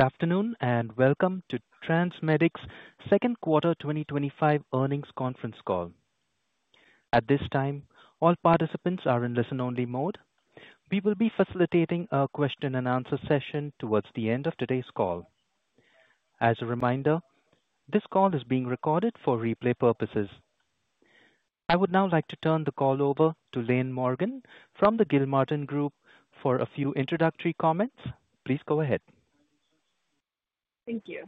Good afternoon, and welcome to TransMedics Second Quarter twenty twenty five Earnings Conference Call. At this time, all participants are in listen only mode. We will be facilitating a question and answer session towards the end of today's call. As a reminder, this call is being recorded for replay purposes. I would now like to turn the call over to Lane Morgan from the Gilmartin Group for a few introductory comments. Please go ahead. Thank you.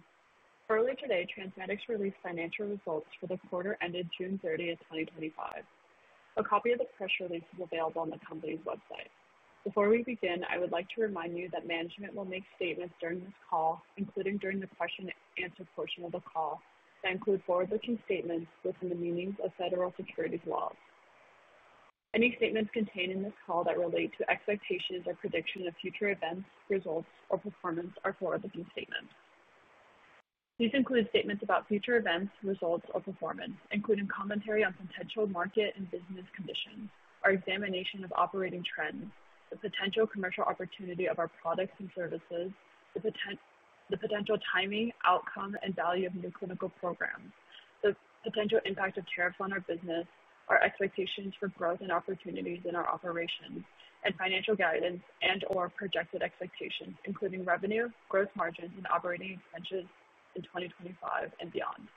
Earlier today, TransMedics released financial results for the quarter ended 06/30/2025. A copy of the press release is available on the company's website. Before we begin, I would like to remind you that management will make statements during this call, including during the question and answer portion of the call, that include forward looking statements within the meanings of federal securities laws. Any statements contained in this call that relate to expectations or predictions of future events, results or performance are forward looking statements. These include statements about future events, results or performance, including commentary on potential market and business conditions, our examination of operating trends, the potential commercial opportunity of our products and services, the potential timing, outcome and value of new clinical programs, the potential impact of tariffs on our business, our expectations for growth and opportunities in our operations and financial guidance and or projected expectations, including revenue, gross margins and operating expenses in 2025 and beyond.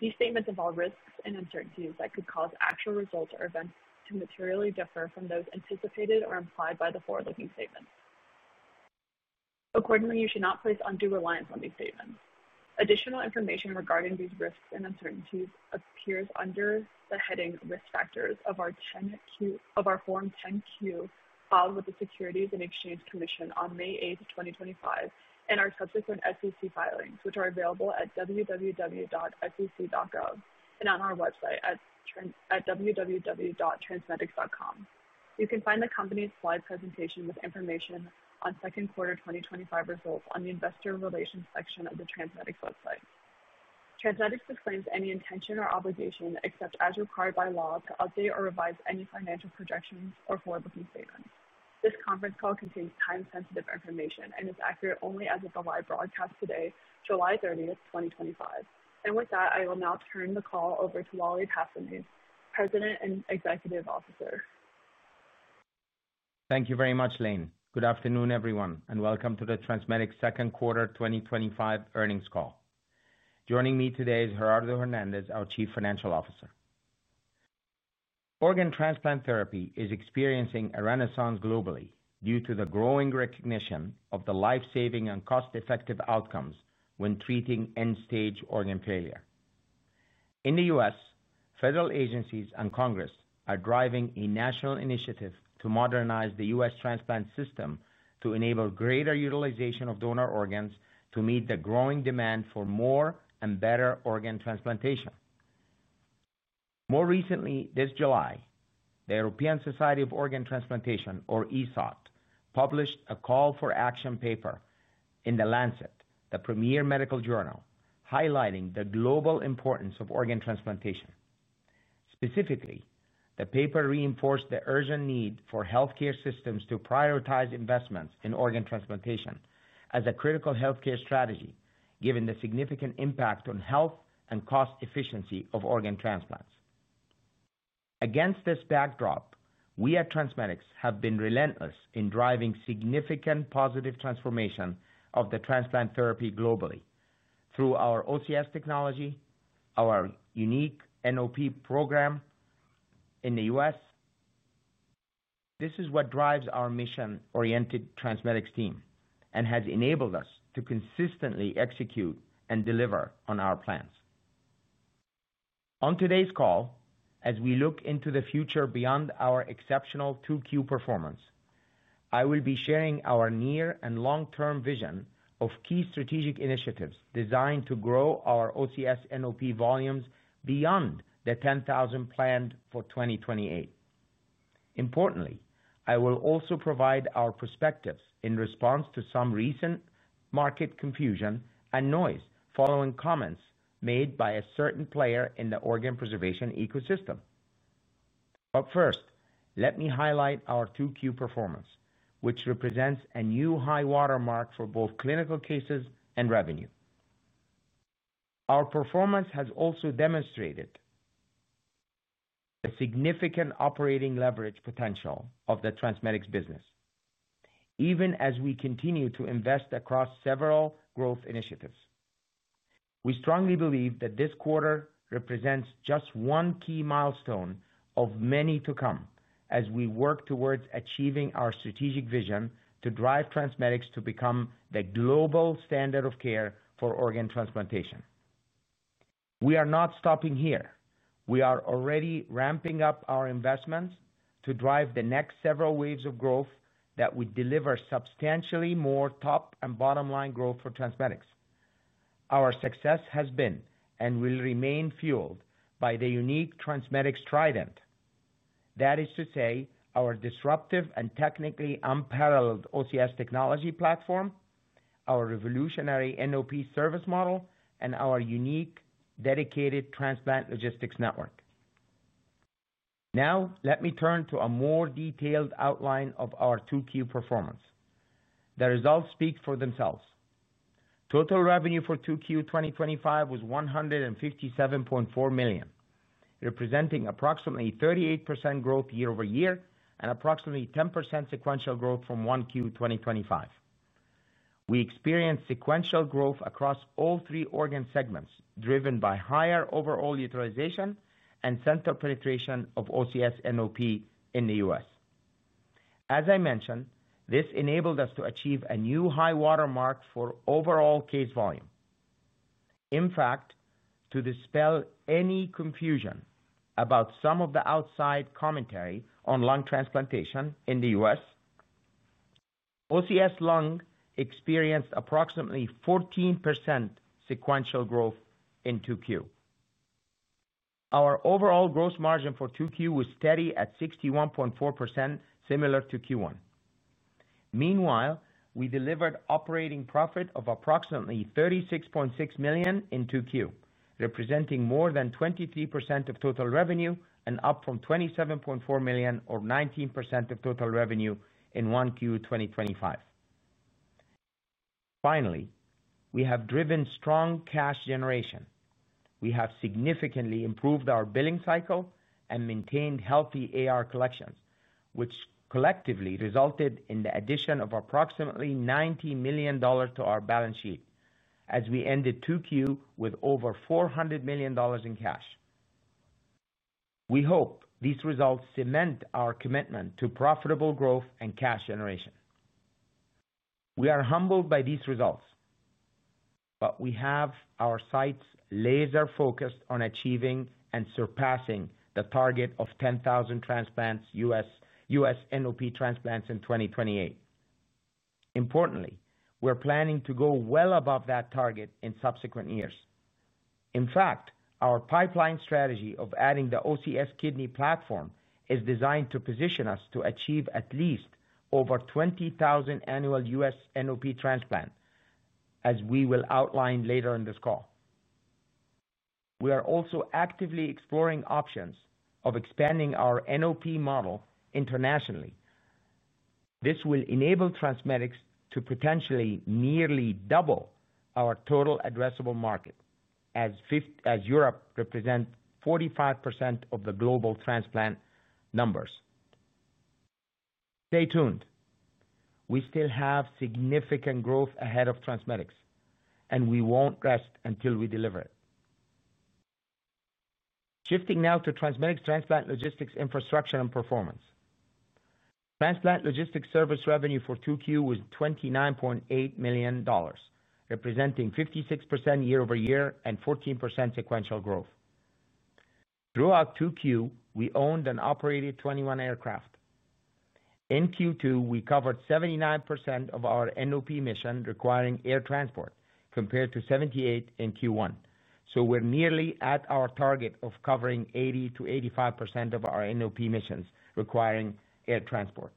These statements involve risks and uncertainties that could cause actual results or events to materially differ from those anticipated or implied by the forward looking statements. Accordingly, you should not place undue reliance on these statements. Additional information regarding these risks and uncertainties appears under the heading Risk Factors of our Form 10 Q filed with the Securities and Exchange Commission on 05/08/2025, and our subsequent SEC filings, which are available at www.sec.gov and on our website at www.transmedix.com. You can find the company's slide presentation with information on second quarter twenty twenty five results on the Investor Relations section of the TransMedix website. TransMedics disclaims any intention or obligation, except as required by law, to update or revise any financial projections or forward looking statements. This conference call contains time sensitive information and is accurate only as of the live broadcast today, 07/30/2025. And with that, I will now turn the call over to Laleh Paffenhuis, President and Executive Officer. Thank you very much, Lane. Good afternoon, everyone, and welcome to the TransMedics second quarter twenty twenty five call. Joining me today is Gerardo Hernandez, our Chief Financial Officer. Organ transplant therapy is experiencing a renaissance globally due to the growing recognition of the life saving and cost effective outcomes when treating end stage organ failure. In The U. S, federal agencies and Congress are driving a national initiative to modernize The U. S. Transplant system to enable greater utilization of donor organs to meet the growing demand for more and better organ transplantation. More recently, this July, the European Society of Organ Transplantation or ESOT published a call for action paper in The Lancet, the premier medical journal, highlighting the global importance of organ transplantation. Specifically, the paper reinforced the urgent need for healthcare systems to prioritize investments in organ transplantation as a critical healthcare strategy given the significant impact on health and cost efficiency of organ transplants. Against this backdrop, we at TransMedics have been relentless in driving significant positive transformation of the transplant therapy globally through our OCS technology, our unique NOP program in The U. S. This is what drives our mission oriented TransMedics team and has enabled us to consistently execute and deliver on our plans. On today's call, as we look into the future beyond our exceptional 2Q performance, I will be sharing our near and long term vision of key strategic initiatives designed to grow our OCS NOP volumes beyond the 10,000 planned for 2028. Importantly, I will also provide our perspectives in response to some recent market confusion and noise following comments made by a certain player in the organ preservation ecosystem. But first, let me highlight our 2Q performance, which represents a new high watermark for both clinical cases and revenue. Our performance has also demonstrated a significant operating leverage potential of the TransMedics business, even as we continue to invest across several growth initiatives. We strongly believe that this quarter represents just one key milestone of many to come as we work towards achieving our strategic vision to drive TransMedics to become the global standard of care for organ transplantation. We are not stopping here. We are already ramping up our investments to drive the next several waves of growth that would deliver substantially more top and bottom line growth for TransMedics. Our success has been and will remain fueled by the unique TransMedics Trident. That is to say our disruptive and technically unparalleled OCS technology platform, our revolutionary NOP service model and our unique dedicated transplant logistics network. Now let me turn to a more detailed outline of our 2Q performance. The results speak for themselves. Total revenue for 2Q twenty twenty five was $157,400,000 representing approximately 38% growth year over year and approximately 10% sequential growth from 1Q twenty twenty five. We experienced sequential growth across all three organ segments driven by higher overall utilization and center penetration of OCS NOP in The U. S. As I mentioned, this enabled us to achieve a new high watermark for overall case volume. In fact, to dispel any confusion about some of the outside commentary on lung transplantation in The U. S, OCS Lung experienced approximately 14% sequential growth in 2Q. Our overall gross margin for 2Q was steady at 61.4% similar to Q1. Meanwhile, we delivered operating profit of approximately $36,600,000 in 2Q, representing more than 23% of total revenue and up from $27,400,000 or 19% of total revenue in 1Q twenty twenty five. Finally, we have driven strong cash generation. We have significantly improved our billing cycle and maintained healthy AR collections, which collectively resulted in the addition of approximately $90,000,000 to our balance sheet as we ended 2Q with over $400,000,000 in cash. We hope these results cement our commitment to profitable growth and cash generation. We are humbled by these results, but we have our sights laser focused on achieving and surpassing the target of 10,000 transplants, U. S. NOP transplants in 2028. Importantly, we're planning to go well above that target in subsequent years. In fact, our pipeline strategy of adding the OCS kidney platform is designed to position us to achieve at least over 20,000 annual U. S. NOP transplant, as we will outline later in this call. We are also actively exploring options of expanding our NOP model internationally. This will enable TransMedics to potentially nearly double our total addressable market as Europe represents 45% of the global transplant numbers. Stay tuned. We still have significant growth ahead of TransMedics and we won't rest until we deliver it. Shifting now to TransMedics' transplant logistics infrastructure and performance. Transplant logistics service revenue for 2Q was $29,800,000 representing 56% year over year and 14% sequential Throughout 2Q, we owned and operated 21 aircraft. In Q2, we covered 79% of our NOP emission requiring air transport compared to 78% in Q1, So we're nearly at our target of covering 80% to 85% of our NOP missions requiring air transport.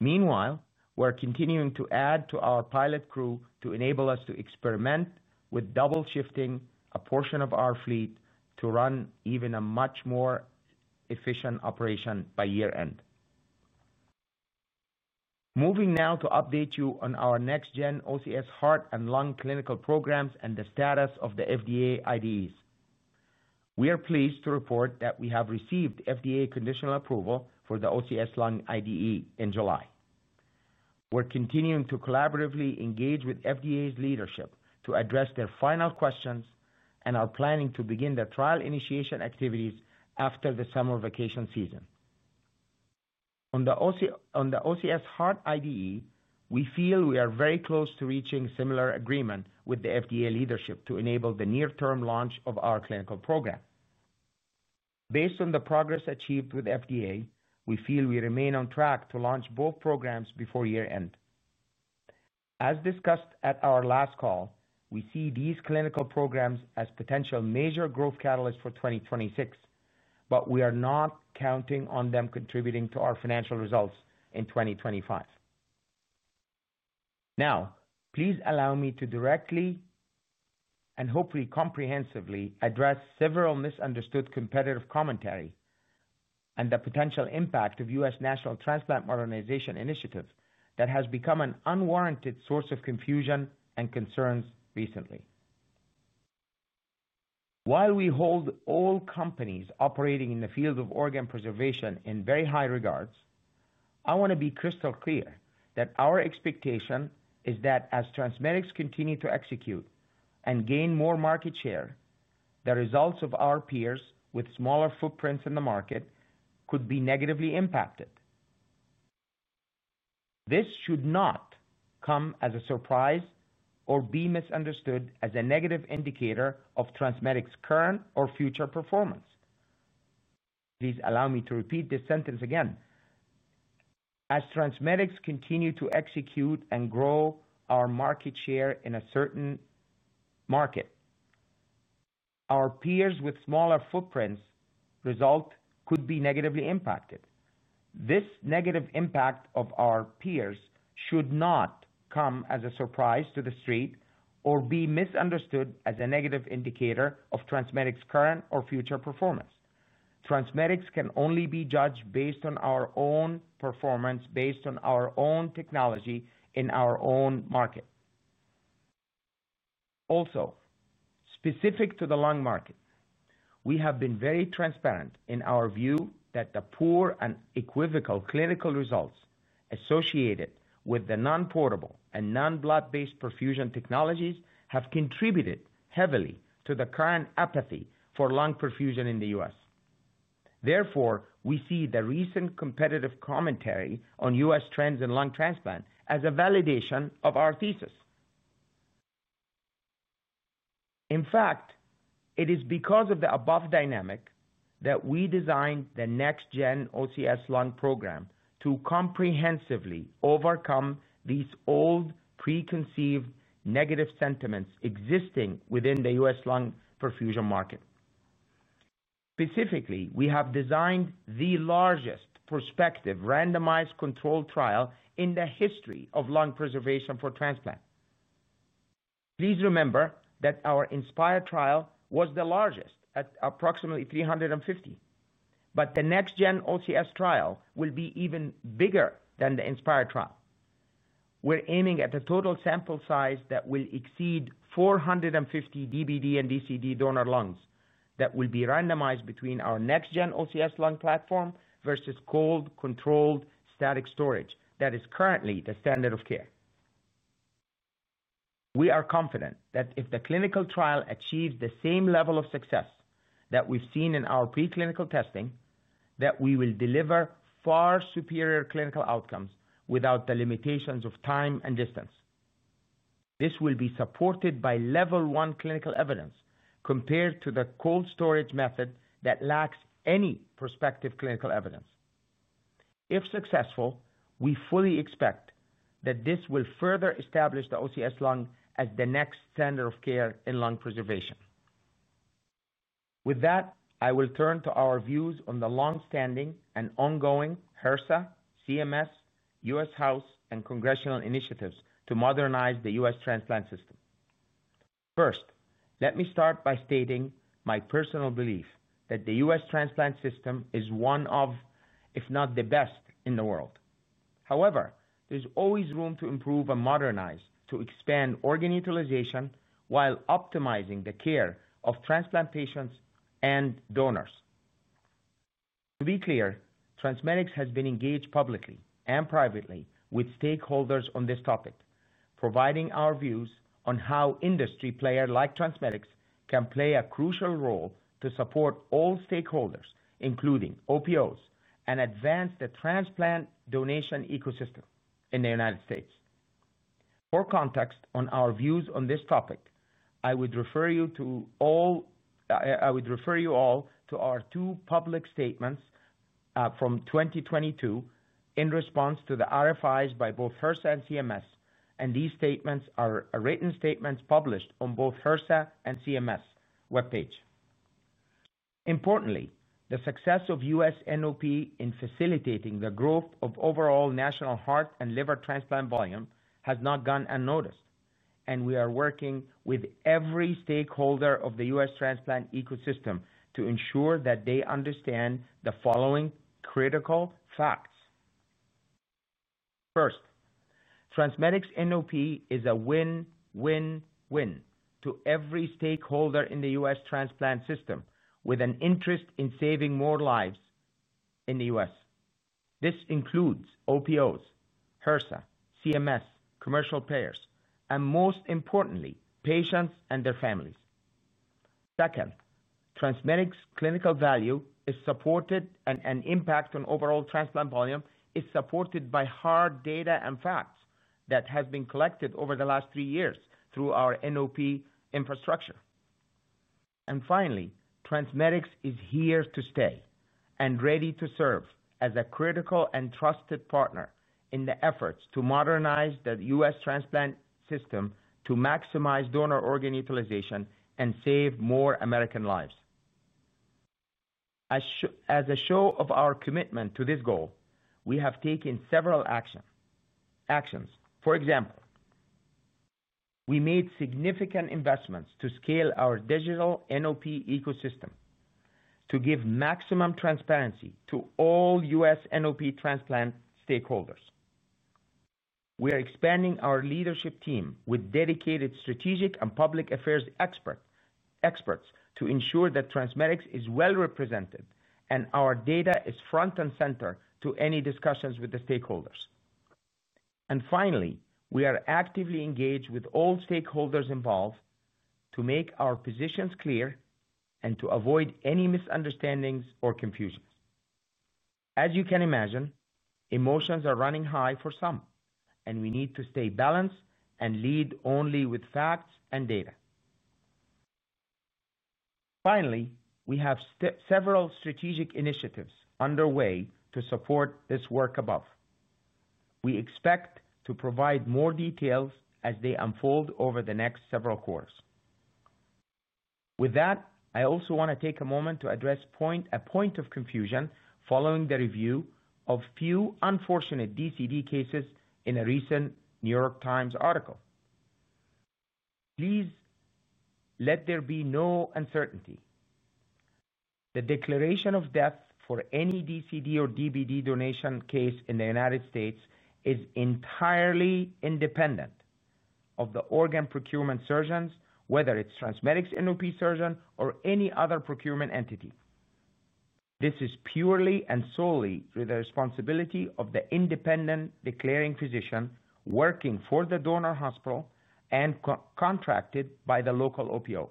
Meanwhile, we're continuing to add to our pilot crew to enable us to experiment with double shifting a portion of our fleet to run even a much more efficient operation by year end. Moving now to update you on our next gen OCS heart and lung clinical programs and the status of the FDA IDEs. We are pleased to report that we have received FDA conditional approval for the OCS Lung IDE in July. We're continuing to collaboratively engage with FDA's leadership to address their final questions and are planning to begin the trial initiation activities after the summer vacation season. On the OCS Heart IDE, we feel we are very close to reaching similar agreement with the FDA leadership to enable the near term launch of our clinical program. Based on the progress achieved with FDA, we feel we remain on track to launch both programs before year end. As discussed at our last call, we see these clinical programs as potential major growth catalyst for 2026, but we are not counting on them contributing to our financial results in 2025. Now, please allow me to directly and hopefully comprehensively address several misunderstood competitive commentary and the potential impact of U. S. National transplant modernization initiative that has become an unwarranted source of confusion and concerns recently. While we hold all companies operating in the field of organ preservation in very high regards, I want to be crystal clear that our expectation is that as TransMedics continue to execute and gain more market share, the results of our peers with smaller footprints in the market could be negatively impacted. This should not come as a surprise or be misunderstood as a negative indicator of TransMedics' current or future performance. Please allow me to repeat this sentence again. As TransMedics continue to execute and grow our market share in a certain market, Our peers with smaller footprints result could be negatively impacted. This negative impact of our peers should not come as a surprise to the Street or be misunderstood as a negative indicator of TransMedics current or future performance. TransMedics can only be judged based on our own performance, based on our own technology in our own market. Also, specific to the lung market, we have been very transparent in our view that the poor and equivocal clinical results associated with the non portable and non blood based perfusion technologies have contributed heavily to the current apathy for lung perfusion in The U. S. Therefore, we see the recent competitive commentary on U. S. Trends in lung transplant as a validation of our thesis. In fact, it is because of the above dynamic that we designed the next gen OCS Lung program to comprehensively overcome these old preconceived negative sentiments existing within The U. S. Lung perfusion market. Specifically, we have designed the largest prospective randomized controlled trial in the history of lung preservation for transplant. Please remember that our INSPIRE trial was the largest at approximately three fifty, but the next gen OCS trial will be even bigger than the INSPIRE trial. We're aiming at a total sample size that will exceed four fifty DVD and DCD donor lungs that will be randomized between our next gen OCS Lung platform versus cold controlled static storage that is currently the standard of care. We are confident that if the clinical trial achieves the same level of success that we've seen in our preclinical testing that we will deliver far superior clinical outcomes without the limitations of time and distance. This will be supported by level one clinical evidence compared to the cold storage method that lacks any prospective clinical evidence. If successful, we fully expect that this will further establish the OCS Lung as the next standard of care in lung preservation. With that, I will turn to our views on the long standing and ongoing HRSA, CMS, U. S. House and congressional initiatives to modernize The U. S. Transplant system. First, let me start by stating my personal belief that The U. S. Transplant system is one of, if not the best in the world. However, there's always room to improve and modernize to expand organ utilization while optimizing the care of transplant patients and donors. To be clear, TransMedics has been engaged publicly and privately with stakeholders on this topic, providing our views on how industry player like TransMedics can play a crucial role to support all stakeholders, including OPOs and advance the transplant donation ecosystem in The United States. For context on our views on this topic, I would refer you all to our two public statements from 2022 in response to the RFIs by both HRSA and CMS, and these statements are written statements published on both HRSA and CMS webpage. Importantly, the success of U. S. NOP in facilitating the growth of overall national heart and liver transplant volume has not gone unnoticed, and we are working with every stakeholder of The U. S. Transplant ecosystem to ensure that they understand the following critical facts. First, TransMedics' NOP is a win win win to every stakeholder in The U. S. Transplant system with an interest in saving more lives in The U. S. This includes OPOs, HRSA, CMS, commercial payers and most importantly patients and their families. Second, TransMedics' clinical value is supported and an impact on overall transplant volume is supported by hard data and facts that have been collected over the last three years through our NOP infrastructure. And finally, TransMedics is here to stay and ready to serve as a critical and trusted partner in the efforts to modernize The U. S. Transplant system to maximize donor organ utilization and save more American lives. As a show of our commitment to this goal, we have taken several actions. For example, we made significant investments to scale our digital NOP ecosystem to give maximum transparency to all U. S. NOP transplant stakeholders. We are expanding our leadership team with dedicated strategic and public affairs experts to ensure that TransMedics is well represented and our data is front and center to any discussions with the stakeholders. And finally, we are actively engaged with all stakeholders involved to make our positions clear and to avoid any misunderstandings or confusion. As you can imagine, emotions are running high for some and we need to stay balanced and lead only with facts and data. Finally, we have several strategic initiatives underway to support this work above. We expect to provide more details as they unfold over the next several quarters. With that, I also want to take a moment to address a point of confusion following the review of few unfortunate DCD cases in a recent New York Times article. Please let there be no uncertainty. The declaration of death for any DCD or DVD donation case in The United States is entirely independent of the organ procurement surgeons, whether it's TransMedics NOP surgeon or any other procurement entity. This is purely and solely through the responsibility of the independent declaring physician working for the donor hospital and contracted by the local OPO.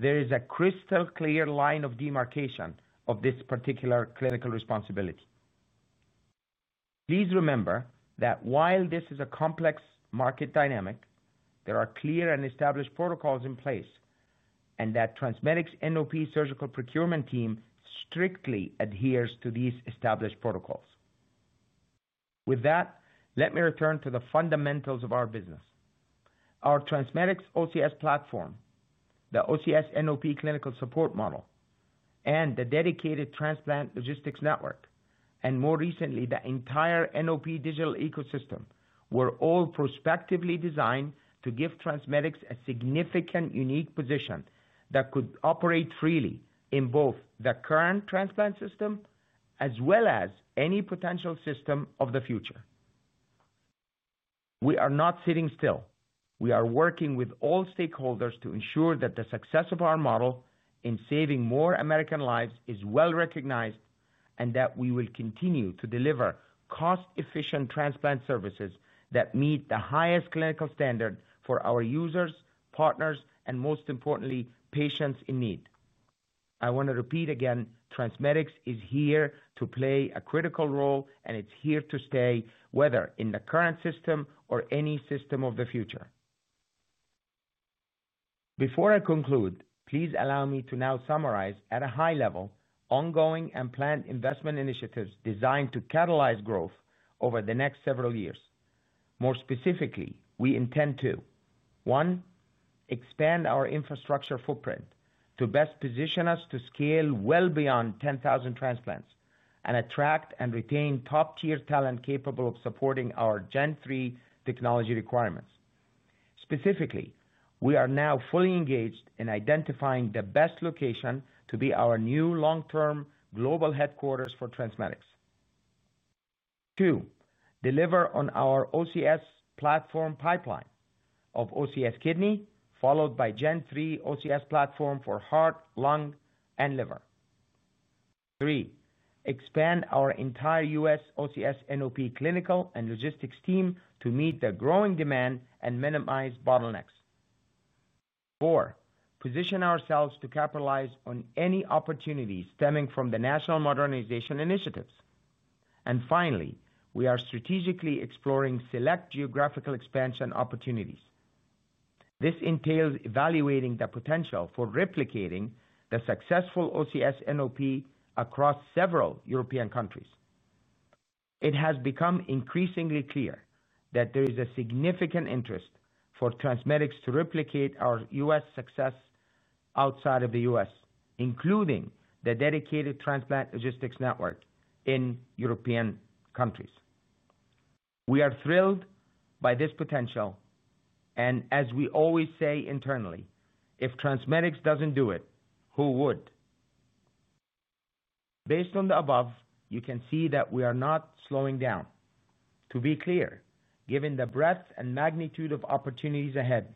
There is a crystal clear line of demarcation of this particular clinical responsibility. Please remember that while this is a complex market dynamic, there are clear and established protocols in place and that TransMedics NOP surgical procurement team strictly adheres to these established protocols. With that, let me return to the fundamentals of our business. Our TransMedics OCS platform, the OCS NOP clinical support model and the dedicated transplant logistics network and more recently the entire NOP digital ecosystem were all prospectively designed to give TransMedics a significant unique position that could operate freely in both the current transplant system as well as any potential system of the future. We are not sitting still. We are working with all stakeholders to ensure that the success of our model in saving more American lives is well recognized and that we will continue to deliver cost efficient transplant services that meet the highest clinical standard for our users, partners and most importantly patients in need. I want to repeat again, TransMedics is here to play a critical role and it's here to stay whether in the current system or any system of the future. Before I conclude, please allow me to now summarize at a high level ongoing and planned investment initiatives designed to catalyze growth over the next several years. More specifically, we intend to: one, expand our infrastructure footprint to best position us to scale well beyond 10,000 transplants and attract and retain top tier talent capable of supporting our Gen three technology requirements. Specifically, we are now fully engaged in identifying the best location to be our new long term global headquarters for TransMedics. Two, deliver on our OCS platform pipeline of OCS kidney followed by Gen three OCS platform for heart, lung and liver. Three, expand our entire U. S. OCS NOP clinical and logistics team to meet the growing demand and minimize bottlenecks. Four, position ourselves to capitalize on any opportunities stemming from the national modernization initiatives. And finally, we are strategically exploring select geographical expansion opportunities. This entails evaluating the potential for replicating the successful OCS NOP across several European countries. It has become increasingly clear that there is a significant interest for TransMedics to replicate our U. S. Success outside of The U. S, including the dedicated transplant logistics network in European countries. We are thrilled by this potential. And as we always say internally, if TransMedics doesn't do it, who would? Based on the above, you can see that we are not slowing down. To be clear, given the breadth and magnitude of opportunities ahead,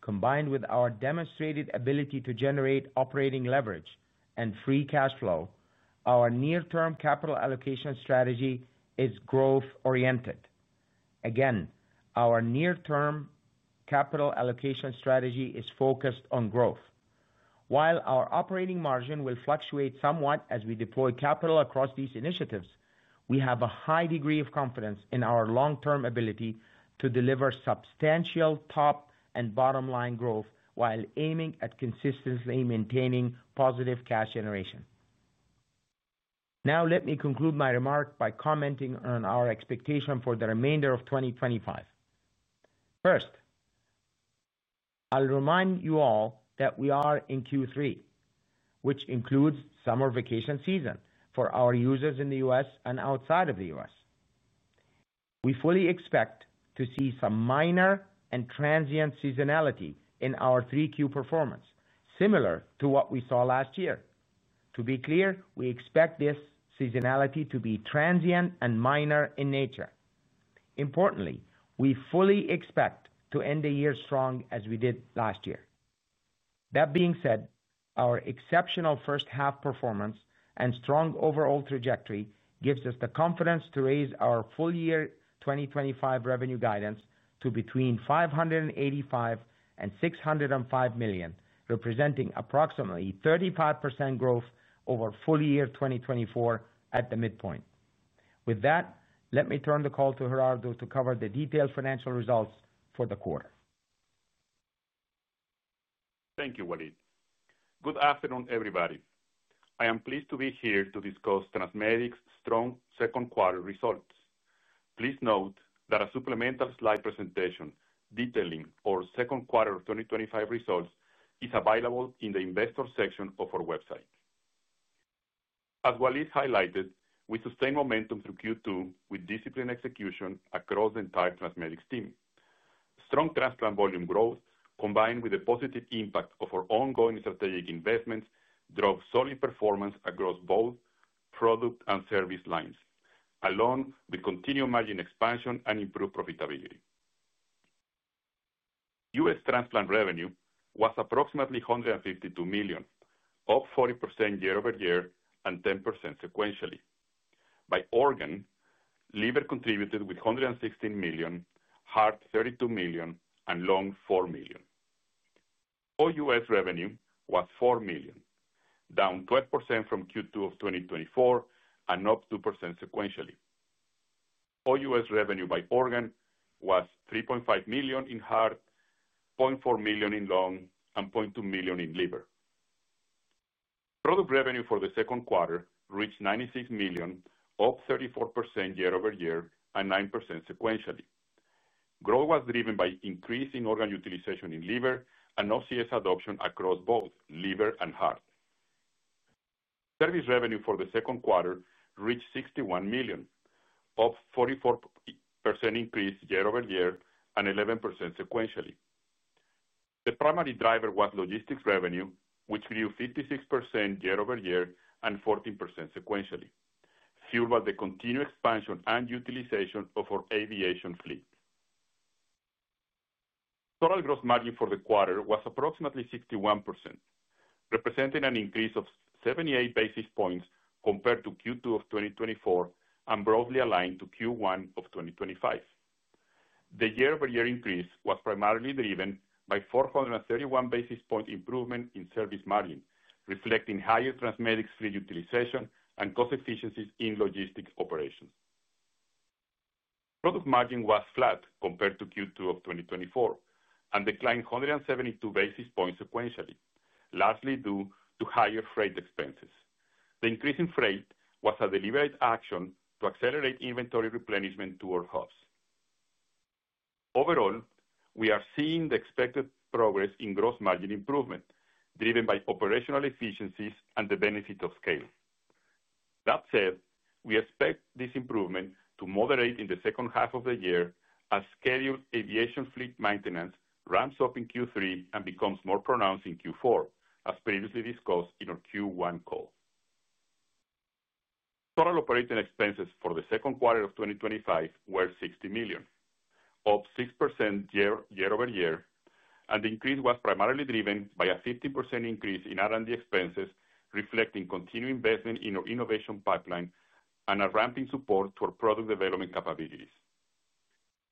combined with our demonstrated ability to generate operating leverage and free cash flow, our near term capital allocation strategy is growth oriented. Again, our near term capital allocation strategy is focused on growth. While our operating margin fluctuate somewhat as we deploy capital across these initiatives, we have a high degree of confidence in our long term ability to deliver substantial top and bottom line growth while aiming at consistently maintaining positive cash generation. Now let me conclude my remarks by commenting on our expectation for the remainder of 2025. First, I'll remind you all that we are in Q3, which includes summer vacation season for our users in The U. S. And outside of The U. S. We fully expect to see some minor and transient seasonality in our 3Q performance similar to what we saw last year. To be clear, we expect this seasonality to be transient and minor in nature. Importantly, we fully expect to end the year strong as we did last year. That being said, our exceptional first half performance and strong overall trajectory gives us the confidence to raise our full year 2025 revenue guidance to between $585,000,000 and $6.00 $5,000,000 representing approximately 35% growth over full year 2024 at the midpoint. With that, let me turn the call to Gerardo to cover the detailed financial results for the quarter. Thank you, Walid. Good afternoon, everybody. I am pleased to be here to discuss TransMedics' strong second quarter results. Please note that a supplemental slide presentation detailing our second quarter twenty twenty five results is available in the Investors section of our website. As Wallace highlighted, we sustained momentum through Q2 with disciplined execution across the entire TransMedics team. Strong transplant volume growth combined with the positive impact of our ongoing strategic investments drove solid performance across both product and service lines, along with continued margin expansion and improved profitability. U. S. Transplant revenue was approximately $152,000,000 up 40% year over year and 10% sequentially. By organ, liver contributed with 116,000,000 heart $32,000,000 and lung $4,000,000 OUS revenue was $4,000,000 down 12% from 2024 and up 2% sequentially. OUS revenue by organ was $3,500,000 in heart, 400,000.0 in lung and $200,000 in liver. Product revenue for the second quarter reached $96,000,000 up 34% year over year and 9% sequentially. Growth was driven by increasing organ utilization in liver and OCS adoption across both liver and heart. Service revenue for the second quarter reached 61,000,000 up 44% increase year over year and 11% sequentially. The primary driver was logistics revenue, which grew 56% year over year and 14% sequentially, fueled by the continued expansion and utilization of our aviation fleet. Total gross margin for the quarter was approximately 61%, representing an increase of 78 basis points compared to 2024 and broadly aligned to 2025. The year over year increase was primarily driven by four thirty one basis point improvement in service margin, reflecting higher TransMedics fleet utilization and cost efficiencies in logistics operations. Product margin was flat compared to 2024 and declined 172 basis points sequentially, largely due to higher freight expenses. The increase in freight was a deliberate action to accelerate inventory replenishment to our hubs. Overall, we are seeing the expected progress in gross margin improvement, driven by operational efficiencies and the benefit of scale. That said, we expect this improvement to moderate in the second half of the year as scheduled aviation fleet maintenance ramps up in Q3 and becomes more pronounced in Q4, as previously discussed in our Q1 call. Total operating expenses for the 2025 were $60,000,000 up 6% year over year and the increase was primarily driven by a 15% increase in R and D expenses, reflecting continued investment in our innovation pipeline and a ramping support to our product development capabilities.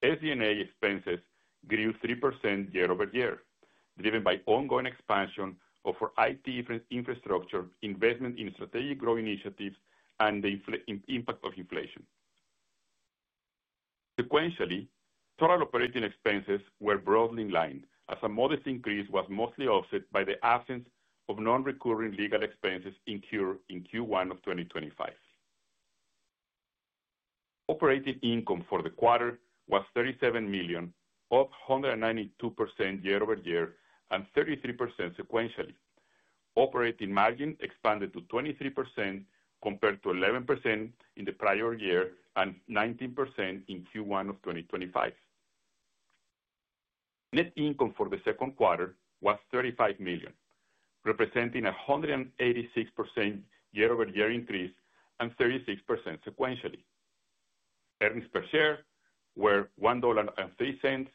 SG and A expenses grew 3% year over year, driven by ongoing expansion of our IT infrastructure investment in strategic growth initiatives and the impact of inflation. Sequentially, total operating expenses were broadly in line as a modest increase was mostly offset by the absence of non recurring legal expenses incurred in 2025. Operating income for the quarter was $37,000,000 up 192% year over year and 33% sequentially. Operating margin expanded to 23% compared to 11% in the prior year and 19% in 2025. Net income for the second quarter was $35,000,000 representing a 186% year over year increase and 36% sequentially. Earnings per share were $1.03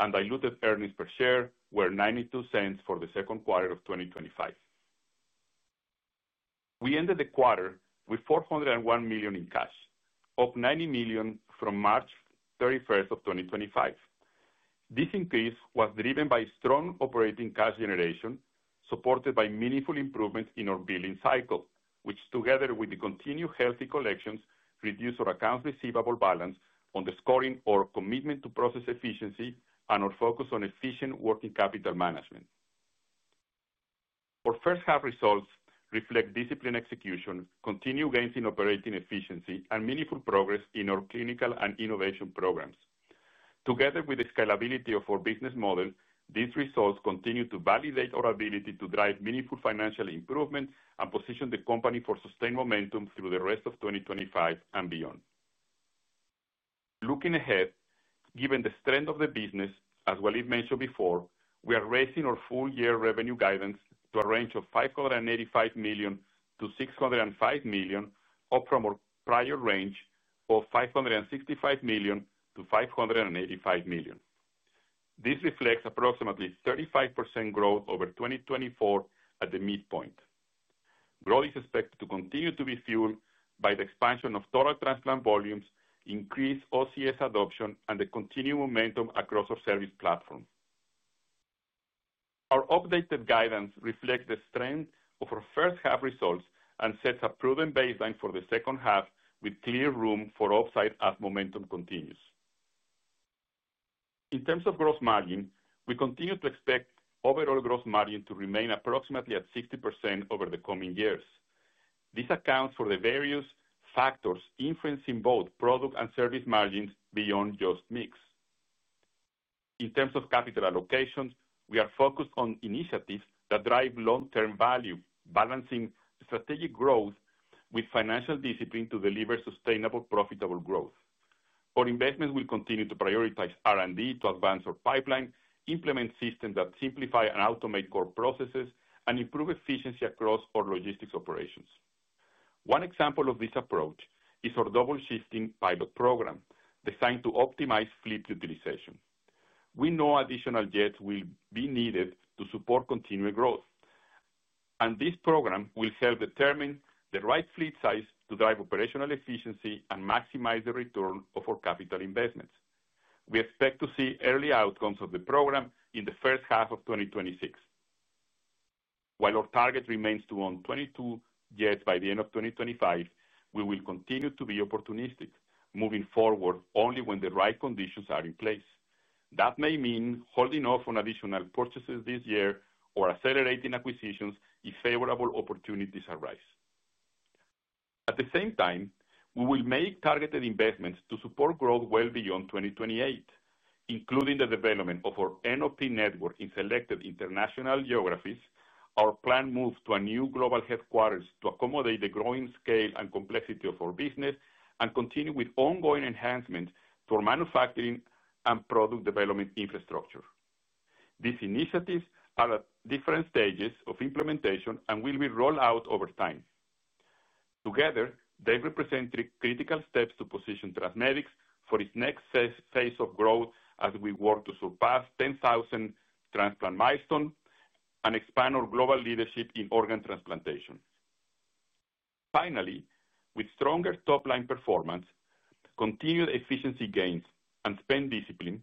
and diluted earnings per share were $0.92 for the 2025. We ended the quarter with $4.00 $1,000,000 in cash, up $90,000,000 from 03/31/2025. This increase was driven by strong operating cash generation supported by meaningful improvement in our billing cycle, which together with the continued healthy collections reduce our accounts receivable balance on the scoring or commitment to process efficiency and our focus on efficient working capital management. Our first half results reflect disciplined execution, continued gains in operating efficiency and meaningful progress in our clinical and innovation programs. Together with the scalability of our business model, these results continue to validate our ability to drive meaningful financial improvement and position the company for sustained momentum through the rest of 2025 and beyond. Looking ahead, given the strength of the business, as Walid mentioned before, we are raising our full year revenue guidance to a range of $585,000,000 to $6.00 $5,000,000 up from our prior range of $565,000,000 to $585,000,000 This reflects approximately 35% growth over 2024 at the midpoint. Growth is expected to continue to be fueled by the expansion of total transplant volumes, increased OCS adoption and the continued momentum across our service platform. Our updated guidance reflects the strength of our first half results and sets a proven baseline for the second half with clear room for upside as momentum continues. In terms of gross margin, we continue to expect overall gross margin to remain approximately at 60% over the coming years. This accounts for the various factors influencing both product and service margins beyond just mix. In terms of capital allocation, we are focused on initiatives that drive long term value, balancing strategic growth with financial discipline to deliver sustainable profitable growth. Our investments will continue to prioritize R and D to advance our pipeline, implement systems that simplify and automate core processes and improve efficiency across our logistics operations. One example of this approach is our double shifting pilot program designed to optimize fleet utilization. We know additional jets will be needed to support continued growth, and this program will help determine the right fleet size to drive operational efficiency and maximize the return of our capital investments. We expect to see early outcomes of the program in the 2026. While our target remains to own 22 jets by the 2025, we will continue to be opportunistic moving forward only when the right conditions are in place. That may mean holding off on additional purchases this year or accelerating acquisitions if favorable opportunities arise. At the same time, we will make targeted investments to support growth well beyond 2028, including the development of our NOP network in selected international geographies, our plan moves to a new global headquarters to accommodate the growing scale and complexity of our business and continue with ongoing enhancements to our manufacturing and product development infrastructure. These initiatives are at different stages of implementation and will be rolled out over time. Together, they represent critical steps to position TransMedics for its next phase of growth as we work to surpass 10,000 transplant milestone and expand our global leadership in organ transplantation. Finally, with stronger top line performance, continued efficiency gains and spend discipline,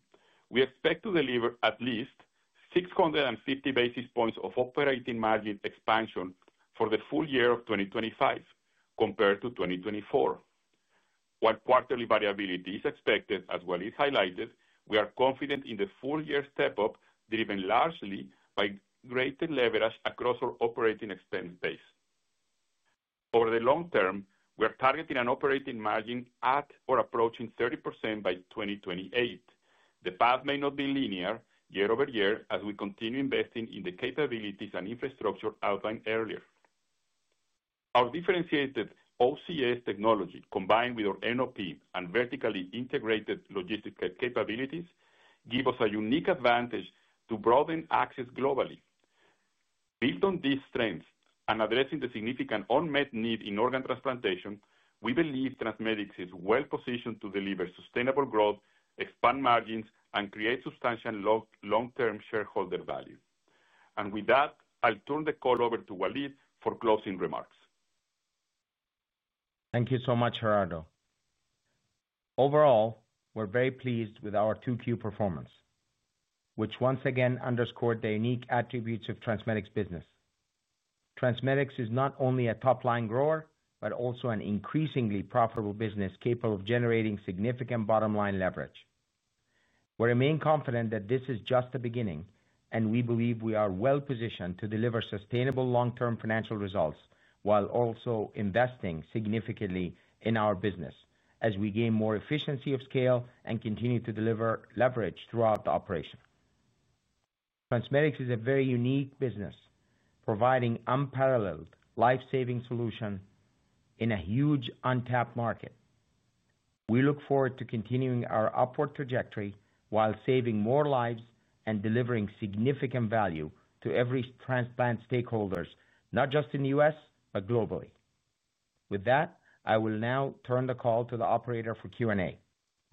we expect to deliver at least six fifty basis points of operating margin expansion for the full year of 2025 compared to 2024. While quarterly variability is expected as well as highlighted, we are confident in the full year step up driven largely by greater leverage across our operating expense base. Over the long term, we are targeting an operating margin at or approaching 30% by 2028. The path may not be linear year over year as we continue investing in the capabilities and infrastructure outlined earlier. Our differentiated OCS technology combined with our NOP and vertically integrated logistic capabilities give us a unique advantage to broaden access globally. Based on these strengths and addressing the significant unmet need in organ transplantation, we believe TransMedics is well positioned to deliver sustainable growth, expand margins and create substantial long term shareholder value. And with that, I'll turn the call over to Walid for closing remarks. Thank you so much Gerardo. Overall, we're very pleased with our 2Q performance, which once again underscore the unique attributes of TransMedics business. TransMedics is not only a top line grower, but also an increasingly profitable business capable of generating significant bottom line leverage. We remain confident that this is just the beginning and we believe we are well positioned to deliver sustainable long term financial results while also investing significantly in our business as we gain more efficiency of scale and continue to deliver leverage throughout the operation. TransMedics is a very unique business providing unparalleled life saving solution in a huge untapped market. We look forward to continuing our upward trajectory while saving more lives and delivering significant value to every transplant stakeholders, not just in The U. S, but globally. With that, I will now turn the call to the operator for Q and A.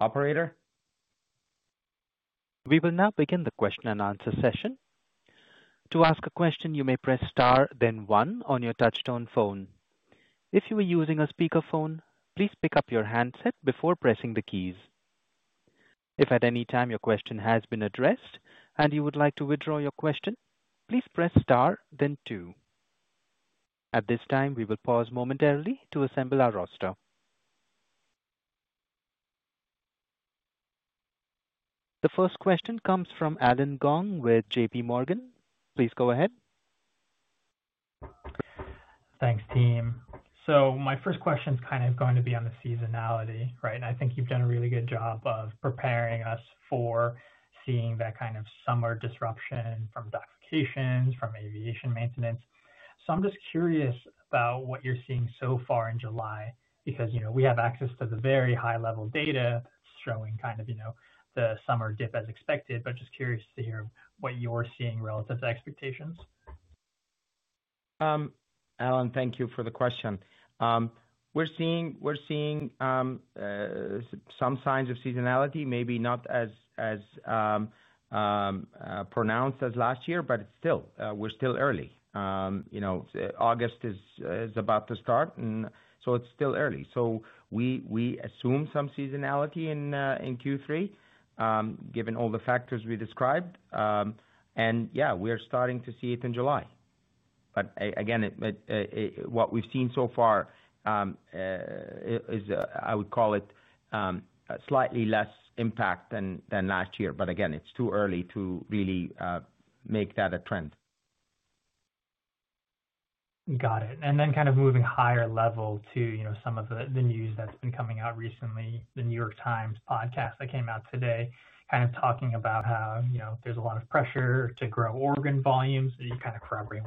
Operator? We will now begin the question and answer session. The first question comes from Alan Gong with JPMorgan. Please go ahead. Thanks, team. So my first question is kind of going to be on the seasonality, right? And I think you've done a really good job of preparing us for seeing that kind of summer disruption from dock locations, from aviation maintenance. So I'm just curious about what you're seeing so far in July because we have access to the very high level data showing kind of the summer dip as expected, but just curious to hear what you're seeing relative to expectations? Alan, thank you for the question. We're seeing some signs of seasonality, maybe not as pronounced as last year, but it's still we're still early. August is about to start, so it's still early. So we assume some seasonality in Q3, given all the factors we described. And yes, we are starting to see it in July. But again, what we've seen so far is, I would call it, slightly less impact than last year. But again, it's too early to really make that a trend. Got it. And then kind of moving higher level to some of the news that's been coming out recently, The New York Times podcast that came out today, kind of talking about how there's a lot of pressure to grow organ volumes. So you kind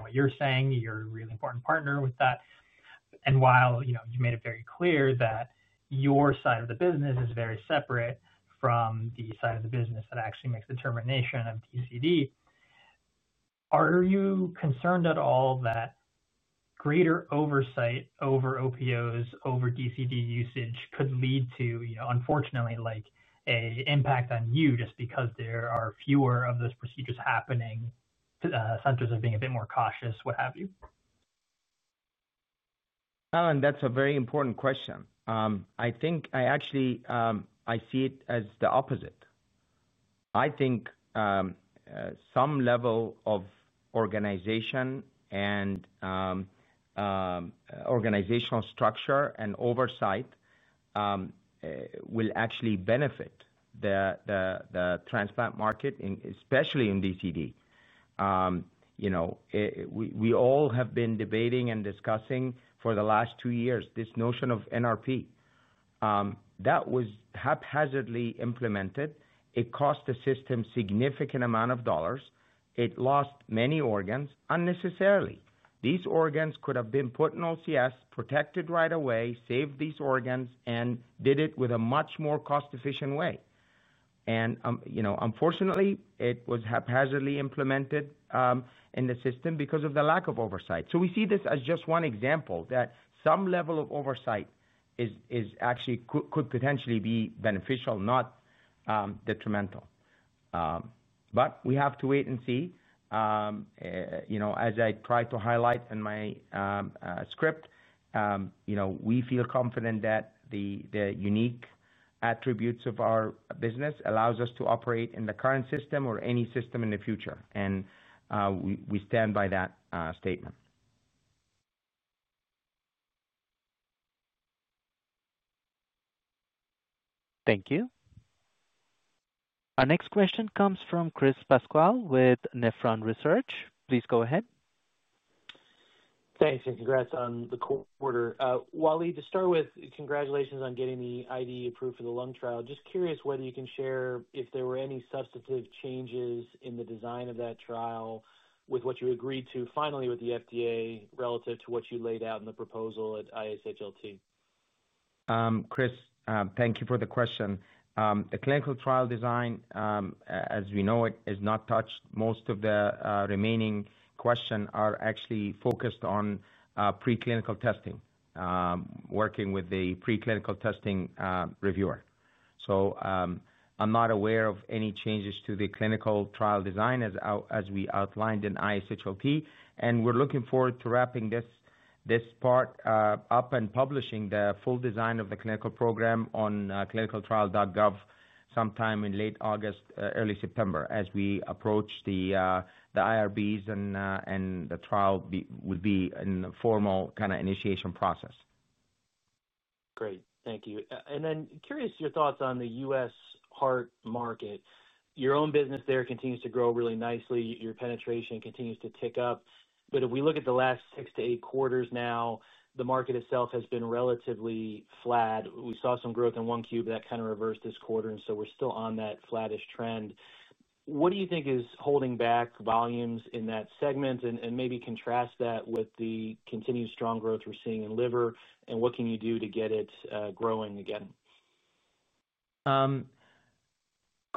what you're saying, you're really important partner with that. And while you made it very clear that your side of the business is very separate from the side of the business that actually makes determination of TCD. Are you concerned at all that greater oversight over OPOs over DCD usage could lead to, unfortunately, like an impact on you just because there are fewer of those procedures happening, centers are being a bit more cautious, what have you? Alan, that's a very important question. I think I actually I see it as the opposite. I think some level of organization and organizational structure and oversight will actually benefit the transplant market, especially in DCD. We all have been debating and discussing for the last two years this notion of NRP. That was haphazardly implemented. It cost the system significant amount of dollars. It lost many organs unnecessarily. These organs could have been put in OCS protected right away, save these organs and did it with a much more cost efficient way. And unfortunately, it was haphazardly implemented in the system because of the lack of oversight. So we see this as just one example that some level of oversight is actually could potentially be beneficial, not detrimental. But we have to wait and see. As I tried to highlight in my script, we feel confident that the unique attributes of our business allows us to operate in the current system or any system in the future. And we stand by that statement. Thank you. Our next question comes from Chris Pasquale with Nephron Research. Please go ahead. Thanks and congrats on the quarter. Wally, to start with congratulations on getting the IDE approved for the lung trial. Just curious whether you can share if there were any substantive changes in the design of that trial with what you agreed to finally with the FDA relative to what you laid out in the proposal at ISHLT? Chris, thank you for the question. The clinical trial design, as we know it, is not touched. Most of the remaining question are actually focused on preclinical testing, working with the preclinical testing reviewer. So I'm not aware of any changes to the clinical trial design as we outlined in ISHLT and we're looking forward to wrapping this part up and publishing the full design of the clinical program on clinicaltrial.gov sometime in late August, early September as we approach the IRBs and the trial would be in the formal kind of initiation process. Great. Thank you. And then curious your thoughts on The U. S. Heart market. Your own business there continues to grow really nicely. Your penetration continues to tick up. But if we look at the last six to eight quarters now, the market itself has been relatively flat. We saw some growth in 1Q that kind of reversed this quarter. And so we're still on that flattish trend. What do you think is holding back volumes in that segment? And maybe contrast that with the continued strong growth we're seeing in liver and what can you do to get it growing again?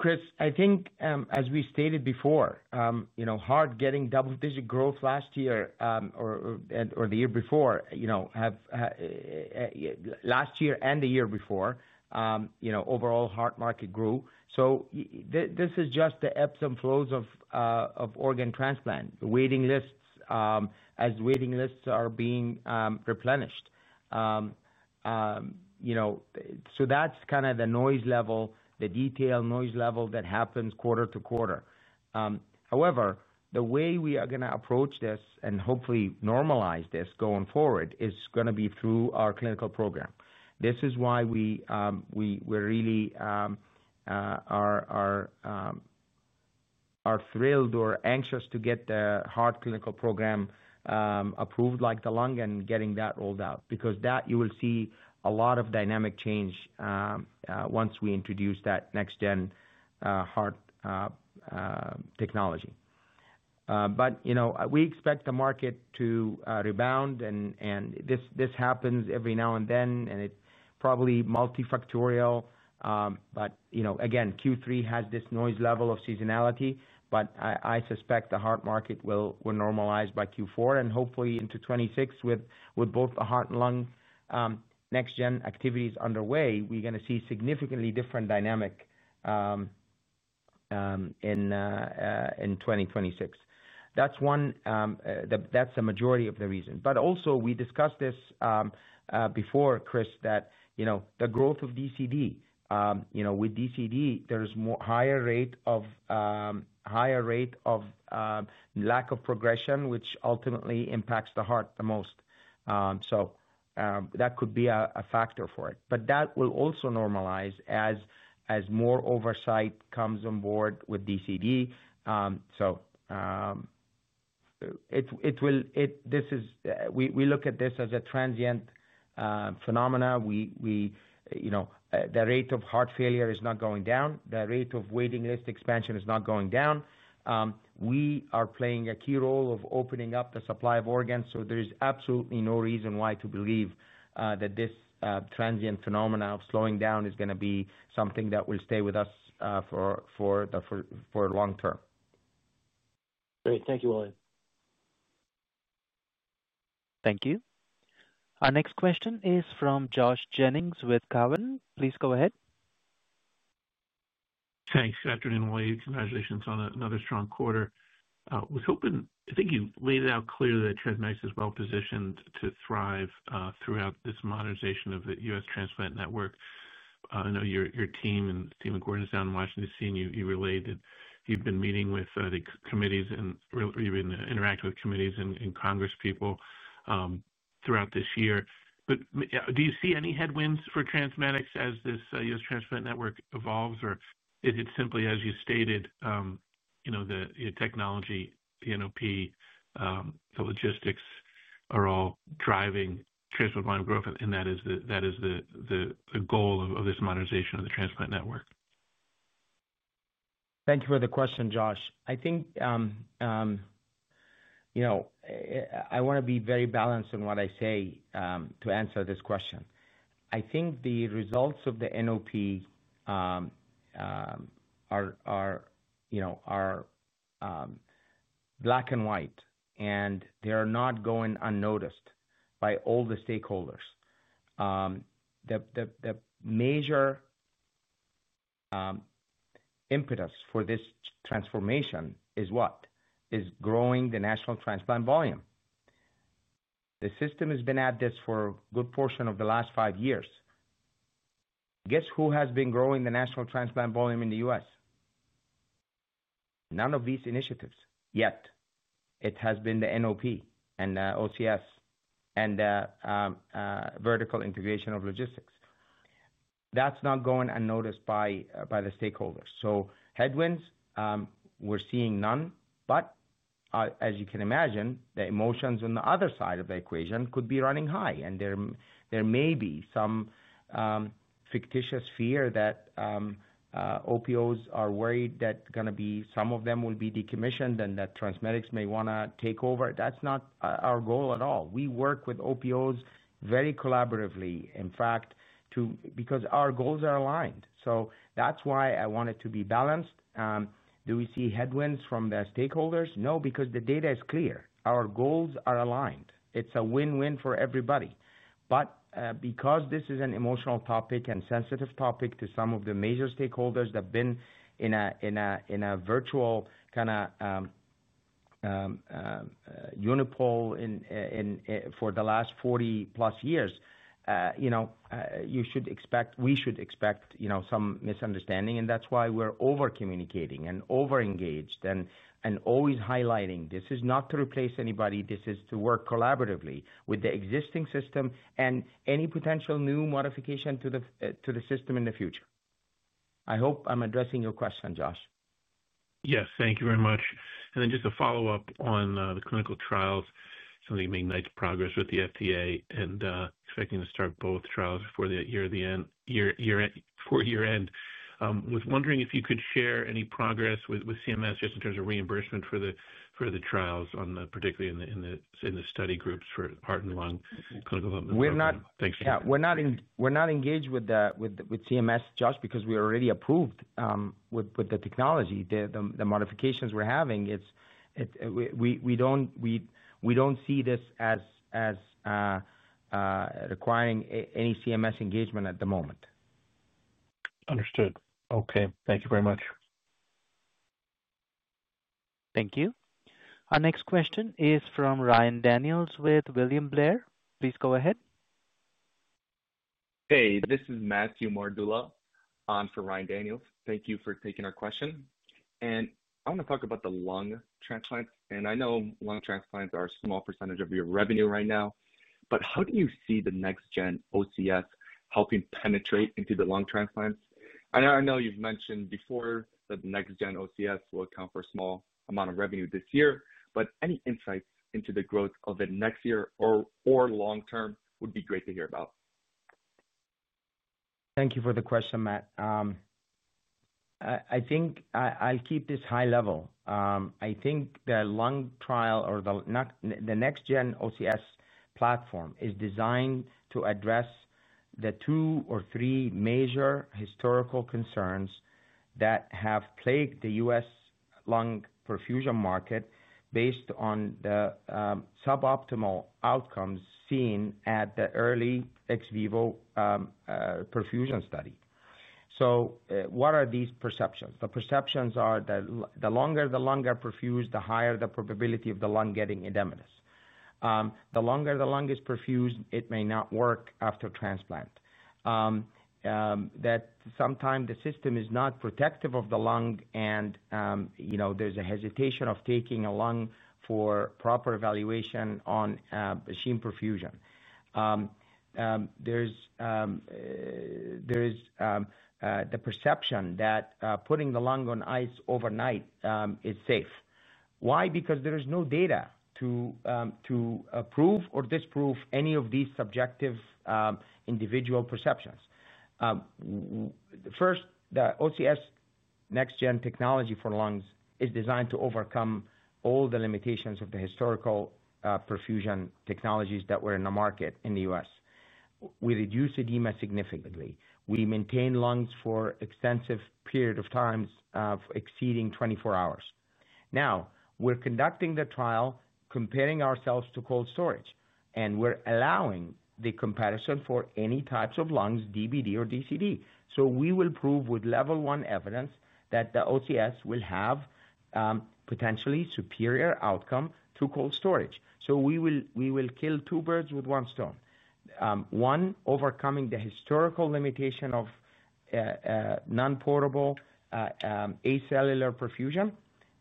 Chris, I think as we stated before, heart getting double digit growth last year or the year before have last year and the year before, overall heart market grew. So this is just the ebbs and flows of organ transplant, waiting lists as waiting lists are being replenished. So that's kind of the noise level, the detailed noise level that happens quarter to quarter. However, the way we are going to approach this and hopefully normalize this going forward is going to be through our clinical program. This is why we really are thrilled or anxious to get the heart clinical program approved like the lung and getting that rolled out because that you will see a lot of dynamic change once we introduce that next gen heart technology. But we expect the market to rebound and this happens every now and then and it's probably multifactorial. But again, Q3 has this noise level of seasonality, but I suspect the heart market will normalize by Q4 and hopefully into 2026 with both the heart and lung next gen activities underway, we're going to see significantly different dynamic in 2026. That's one that's the majority of the reason. But also we discussed this before, Chris, that the growth of DCD. With DCD, there is more higher rate of lack of progression, which ultimately impacts the heart the most. So that could be a factor for it. But that will also normalize as more oversight comes on board with DCD. So it will this is we look at this as a transient phenomenon. We the rate of heart failure is not going down. The rate of waiting list expansion is not going down. We are playing a key role of opening up the supply of organs. So there is absolutely no reason why to believe that this transient phenomenon of slowing down is going to be something that will stay with us long for term. Great. Thank you, William. Thank you. Our next question is from Josh Jennings with Cowen. Please go ahead. Thanks. Good afternoon, William. Congratulations on another strong quarter. I was hoping I think you've laid it out clear that TransMeds is well positioned to thrive throughout this modernization of The U. S. Transplant network. I know your team and team in Gordon is down in Washington, you've been meeting with the committees and you've interacted with committees and congresspeople throughout this year. But do you see any headwinds for TransMedics as this U. S. Transplant Network evolves? Or is it simply as you stated, the technology, P and OP, the logistics are all driving transplant growth and that is the goal of this modernization of the transplant network? Thank you for the question, Josh. I think I want to be very balanced in what I say to answer this question. I think the results of the NOP are black and white and they are not going unnoticed by all the stakeholders. The major impetus for this transformation is what? It's growing the national transplant volume. The system has been at this for a good portion of the last five years. Guess who has been growing the national transplant volume in The U. S? None of these initiatives yet. It has been the NOP and OCS and vertical integration of logistics. That's not going unnoticed by the stakeholders. So headwinds, we're seeing none. But as you can imagine, the emotions on the other side of the equation could be running high and there may be some fictitious fear that OPOs are worried that going to be some of them will be decommissioned and that TransMedics may want to take over. That's not our goal at all. We work with OPOs very collaboratively, in fact, to because our goals are aligned. So that's why I wanted to be balanced. Do we see headwinds from the stakeholders? No, because the data is clear. Our goals are aligned. It's a win win for everybody. But because this is an emotional topic and sensitive topic to some of the major stakeholders that have been in a virtual kind of unipole for the last forty plus years, you should expect we should expect some misunderstanding and that's why we're over communicating and over engaged and always highlighting this is not to replace anybody, this is to work collaboratively with the existing system and any potential new modification to the system in the future. I hope I'm addressing your question, Josh. Yes. Thank you very much. And then just a follow-up on the clinical trials, so you made nice progress with the FDA and expecting to start both trials before the year end before year end. I was wondering if you could share any progress with CMS just in terms of reimbursement for the trials on the particularly in study groups for heart and lung clinical development? We're not engaged with CMS, Josh, because we already approved with the technology, the modifications we're having. We don't see this as requiring any CMS engagement at the moment. Understood. Okay. Thank you very much. Thank you. Our next question is from Ryan Daniels with William Blair. Please go ahead. Hey, this is Matthew Mordullo on for Ryan Daniels. Thank you for taking our question. And I want to talk about the lung transplant. And I know lung transplants are a small percentage of your revenue right now. But how do you see the next gen OCS helping penetrate into the lung transplants? And I know you've mentioned before that next gen OCS will account for a small amount of revenue this year, but any insights into the growth of the next year or long term would be great to hear about. Thank you for the question, Matt. I think I'll keep this high level. I think the lung trial or the next gen OCS platform is designed to address the two or three major historical concerns that have plagued The U. S. Lung perfusion market based on the suboptimal outcomes seen at the early ex vivo perfusion study. So what are these perceptions? The perceptions are that the longer the lung are perfused, the higher the probability of the lung getting edematous. The longer the lung is perfused, it may not work after transplant. That sometimes the system is not protective of the lung and there's a hesitation of taking a lung for proper evaluation on machine perfusion. There is the perception that putting the lung on ice overnight is safe. Why? Because there is no data to approve or disprove any of these subjective individual perceptions. First, the OCS next gen technology for lungs is designed to overcome all the limitations of the historical perfusion technologies that were in the market in The U. S. We reduced edema significantly. We maintain lungs for extensive period of times of exceeding twenty four hours. Now we're conducting the trial comparing ourselves to cold storage and we're allowing the comparison for any types of lungs, DVD or DCD. So we will prove with level one evidence that the OCS will have potentially superior outcome to cold storage. So we will kill two birds with one stone. One, overcoming the historical limitation of non portable acellular perfusion,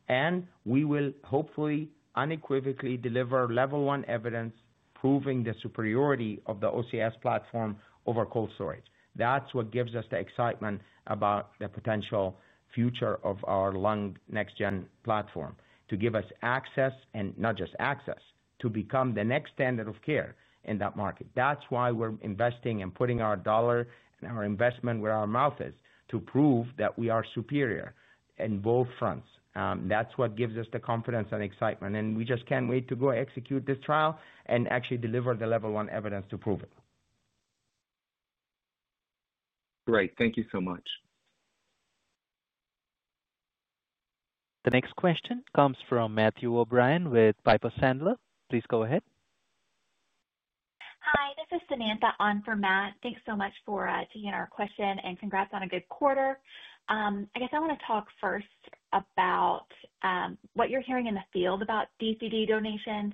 and we will hopefully unequivocally deliver level one evidence proving the superiority of the OCS platform over cold storage. That's what gives us the excitement about the potential future of our lung next gen platform to give us access and not just access to become the next standard of care in that market. That's why we're investing and putting our dollar and our investment where our mouth is to prove that we are superior in both fronts. That's what gives us the confidence and excitement and we just can't wait to go execute this trial and actually deliver the level one evidence to prove it. Great. Thank you so much. The next question comes from Matthew O'Brien with Piper Sandler. Please go ahead. Hi, this is Samantha on for Matt. Thanks so much for taking our question and congrats on a good quarter. I guess I want to talk first about what you're hearing in the field about DCD donations.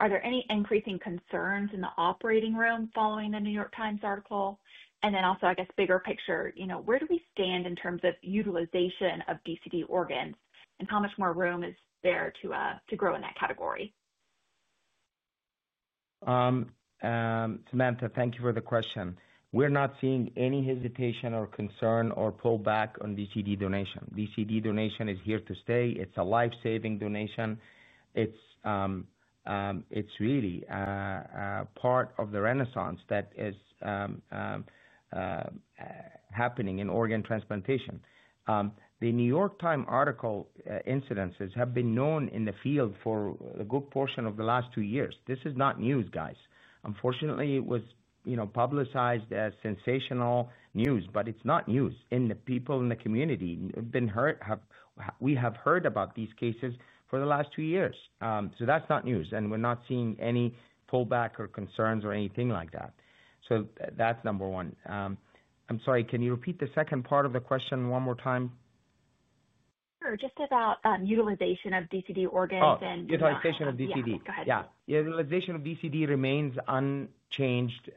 Are there any increasing concerns in the operating room following the New York Times article? And then also, I guess, bigger picture, where do we stand in terms of utilization of DCD organs? And how much more room is there to grow in that category? Samantha, thank you for the question. We're not seeing any hesitation or concern or pullback on DCD donation. DCD donation is here to stay. It's a lifesaving donation. It's really part of the renaissance that is happening in organ transplantation. The New York Time article incidences have been known in the field for a good portion of the last two years. This is not news guys. Unfortunately, it was publicized as sensational news, but it's not news and the people in the community have been hurt. We have heard about these cases for the last two years. So that's not news and we're not seeing any pullback or concerns or anything like that. So that's number one. I'm sorry, can you repeat the second part of the question one more time? Just about utilization of DCD organs Utilization and of DCD. Go ahead. Utilization of DCD remains unchanged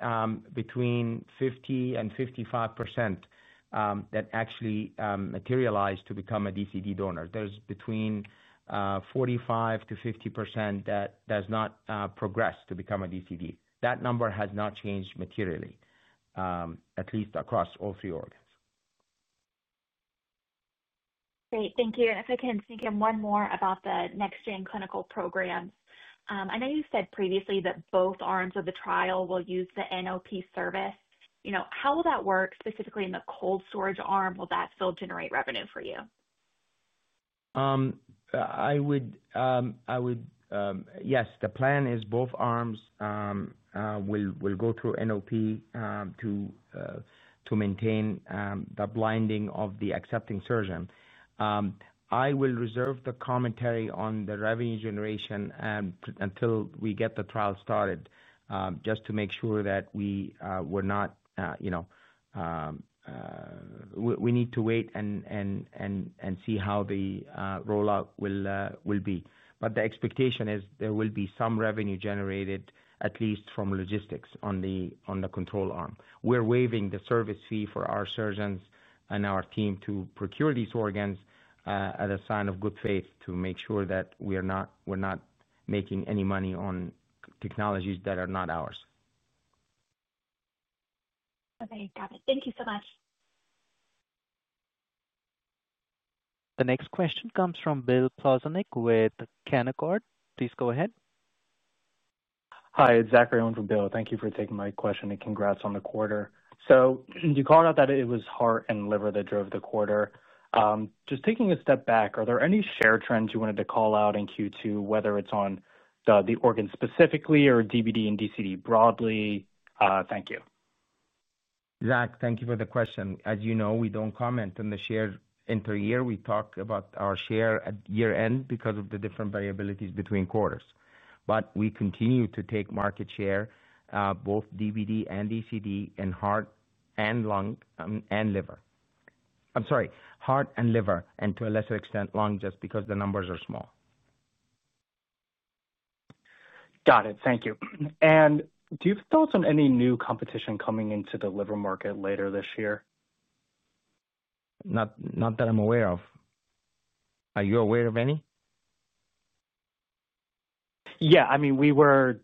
between fifty percent and fifty five percent that actually materialize to become a DCD donor. There's between forty five percent to fifty percent that does not progress to become a DCD. That number has not changed materially, at least across all three organs. Great. Thank you. And if I can sneak in one more about the next gen clinical programs. I know you said previously that both arms of the trial will use the NOP service. How will that work specifically in the cold storage arm? Will that still generate revenue for you? I would yes, the plan is both arms will go through NOP to maintain the blinding of the accepting surgeon. I will reserve the commentary on the revenue generation until we get the trial started just to make sure that we would not we need to wait and see how the rollout will be. But the expectation is there will be some revenue generated at least from logistics on the control arm. We're waiving the service fee for our surgeons and our team to procure these organs at a sign of good faith to make sure that we're not making any money on technologies that are not ours. Okay, got it. Thank you so much. The next question comes from Bill Plozniak with Canaccord. Please go ahead. Hi, it's Zachary on for Bill. Thank you for taking my question and congrats on the quarter. So you called out that it was heart and liver that drove the quarter. Just taking a step back, are there any share trends you wanted to call out in Q2, whether it's on the organ specifically or DVD and DCD broadly? Thank you. Zach, thank you for the question. As you know, we don't comment on the share in the year. We talk about our share at year end because of the different variabilities between quarters. But we continue to take market share both DVD and ECD in heart and lung and liver. I'm sorry, heart and liver and to a lesser extent lung just because the numbers are small. Got it. Thank you. And do you have thoughts on any new competition coming into the liver market later this year? Not that I'm aware of. Are you aware of any? Yes. I mean, we were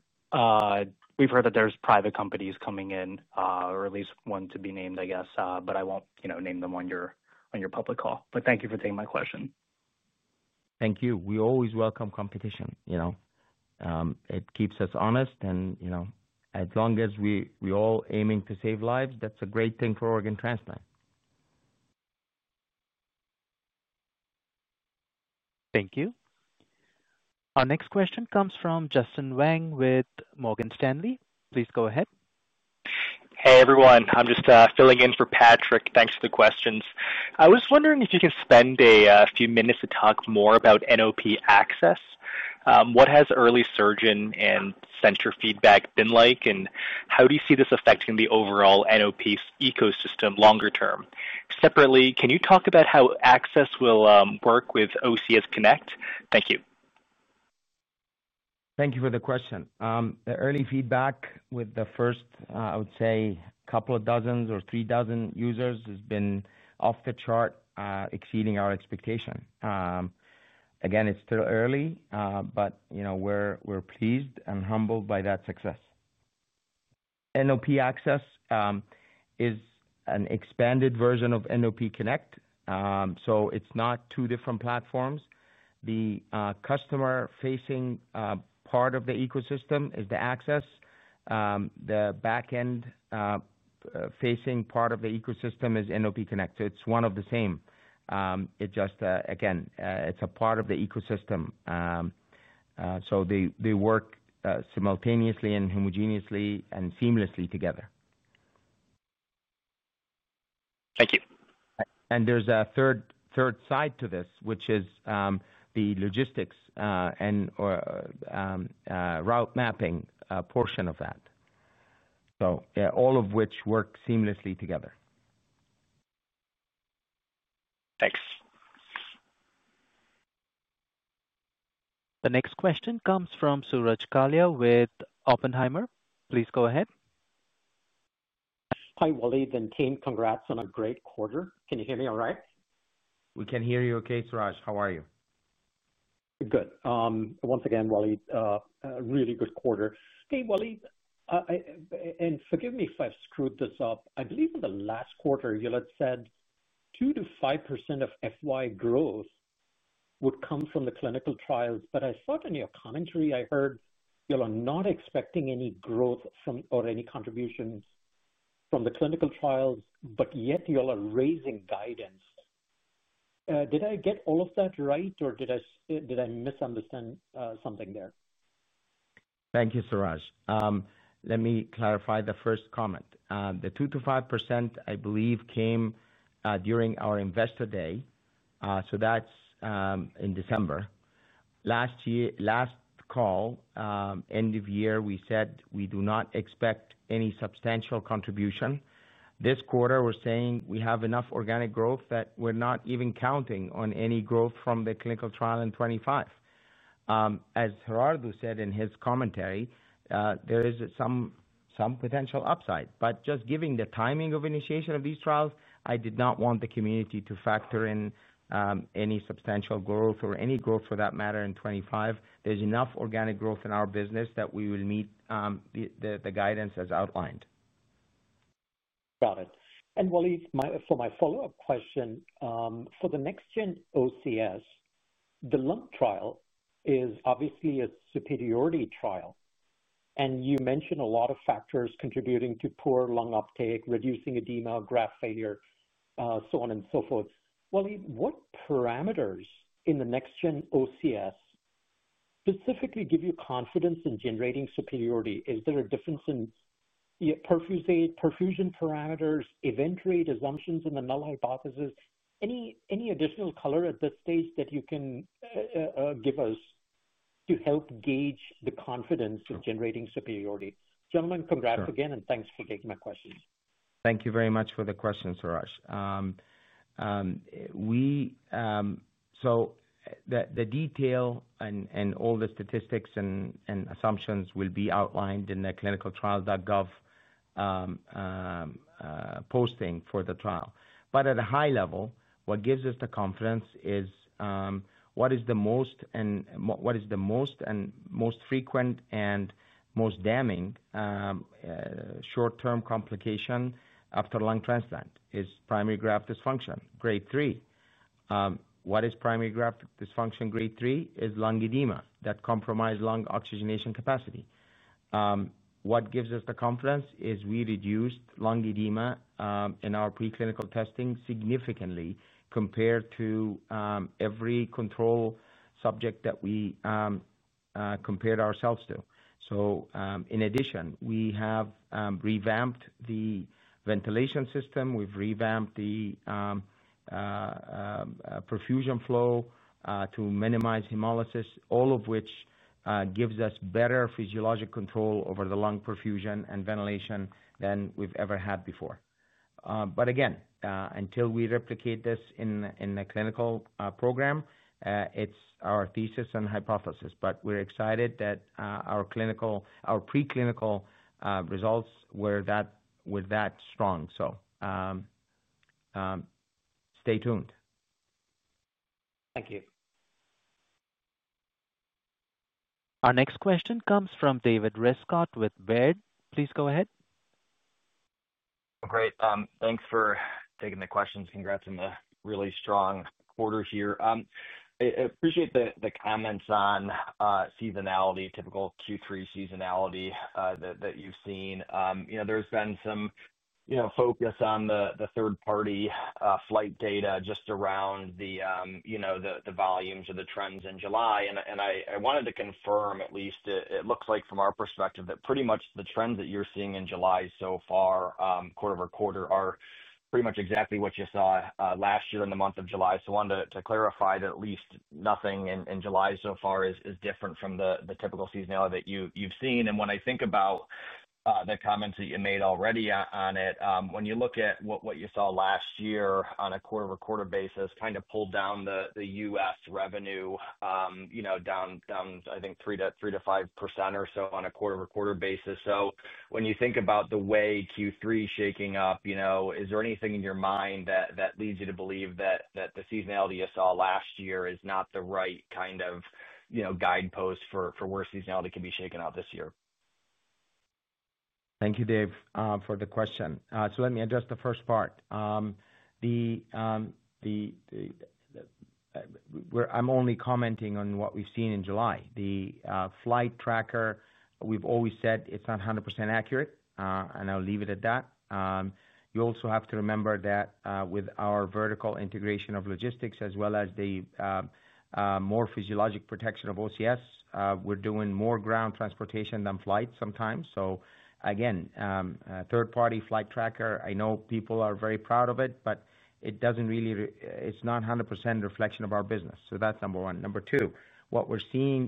we've heard that there's private companies coming in, or at least one to be named, I guess, but I won't name them your public call. But thank you for taking my question. Thank you. We always welcome competition. It keeps us honest and as long as we all aiming to save lives, that's a great thing for organ transplant. Thank you. Our next question comes from Justin Wang with Morgan Stanley. Please go ahead. Hey, everyone. I'm just filling in for Patrick. Thanks for the questions. I was wondering if you can spend a few minutes to talk more about NOP access. What has early surgeon and center feedback been like? And how do you see this affecting the overall NOP ecosystem longer term? Separately, can you talk about how access will work with OCS Connect? Thank you. Thank you for the question. The early feedback with the first, I would say, couple of dozens or three dozen users has been off the chart exceeding our expectation. Again, it's still early, but we're pleased and humbled by that success. NOP Access is an expanded version of NOP Connect, so it's not two different platforms. The customer facing part of the ecosystem is the access, the back end facing part of the ecosystem is NOP Connect, it's one of the same. It's just again, it's a part of the ecosystem. So they work simultaneously and homogeneously and seamlessly together. Thank you. And there's a third side to this, which is the logistics and route mapping portion of that. So all of which work seamlessly together. Thanks. The next question comes from Suraj Kalia with Oppenheimer. Please go ahead. Hi, Walid and team congrats on a great quarter. Can you hear me all right? We can hear you okay Suraj. How are you? Good. Once again Walid, a really good quarter. Hey Walid, forgive me if I screwed this up. I believe in the last quarter you had said 2% to 5% of FY growth would come from the clinical trials. But I thought in your commentary, I heard you're not expecting any growth from or any contributions from the clinical trials, but yet you all are raising guidance. Did I get all of that right? Or did I misunderstand something there? Thank you, Suraj. Let me clarify the first comment. The 2% to 5%, I believe, came during our Investor Day, so that's in December. Last year last call, end of year, we said we do not expect any substantial contribution. This quarter, we're saying we have enough organic growth that we're not even counting on any growth from the clinical trial in 2025. As Gerardo said in his commentary, there is some potential upside. But just giving the timing of initiation of these trials, I did not want the community to factor in any substantial growth or any growth for that matter in 2025. There's enough organic growth in our business that we will meet the guidance as outlined. Got it. And Walid, for my follow-up question, for the NextGen OCS, the LUNK trial is obviously a superiority trial. And you mentioned a lot of factors contributing to poor lung uptake, reducing edema, graph failure, so on and so forth. Walid, what parameters in the next gen OCS specifically give you confidence in generating superiority? Is there a difference in perfusion parameters, event rate assumptions in the null hypothesis? Any additional color at this stage that you can give us to help gauge the confidence of generating superiority? Gentlemen, congrats Thank again and thanks for taking my you very much for the question, Suraj. So the detail and all the statistics and assumptions will be outlined in the clinicaltrials.gov posting for the trial. But at a high level, what gives us the confidence is what is the most most frequent and most damning short term complication after lung transplant is primary graft dysfunction, grade three. What is primary graft dysfunction grade three is lung edema that compromise lung oxygenation capacity. What gives us the confidence is we reduced lung edema in our preclinical testing significantly compared to every control subject that we compared ourselves to. So in addition, we have revamped the ventilation system. We've revamped the perfusion flow to minimize hemolysis, all of which gives us better physiologic control over the lung perfusion and ventilation than we've ever had before. But again, until we replicate this in the clinical program, it's our thesis and hypothesis, but we're excited that our preclinical results were that strong. So stay tuned. Thank you. Our next question comes from David Riscott with Baird. Please go ahead. Great. Thanks for taking the questions. Congrats on the really strong quarter here. I appreciate the comments on seasonality, typical Q3 seasonality that you've seen. There's been some focus on the third party flight data just around the volumes and the trends in July. And I wanted to confirm, at least, it looks like from our perspective that pretty much the trends that you're seeing in July so far quarter over quarter are pretty much exactly what you saw last year in the month of July. So I wanted to clarify that at least nothing in July so far is different from the typical seasonality that you've seen. And when I think about the comments that you made already on it, when you look at what you saw last year on a quarter over quarter basis kind of pulled down The U. S. Revenue down, I think, 3% to 5% or so on a quarter over quarter basis. So when you think about the way Q3 shaking up, is there anything in your mind that leads you to believe that the seasonality you saw last year is not the right kind of guidepost for where seasonality can be shaken out this year? Thank you, Dave, for the question. So let me address the first part. I'm only commenting on what we've seen in July. The flight tracker, we've always said it's not 100% accurate, and I'll leave it at that. You also have to remember that with our vertical integration of logistics as well as the more physiologic protection of OCS, we're doing more ground transportation than flight sometimes. So again, third party flight tracker, I know people are very proud of it, but it doesn't really it's not 100% reflection of our business. So that's number one. Number two, what we're seeing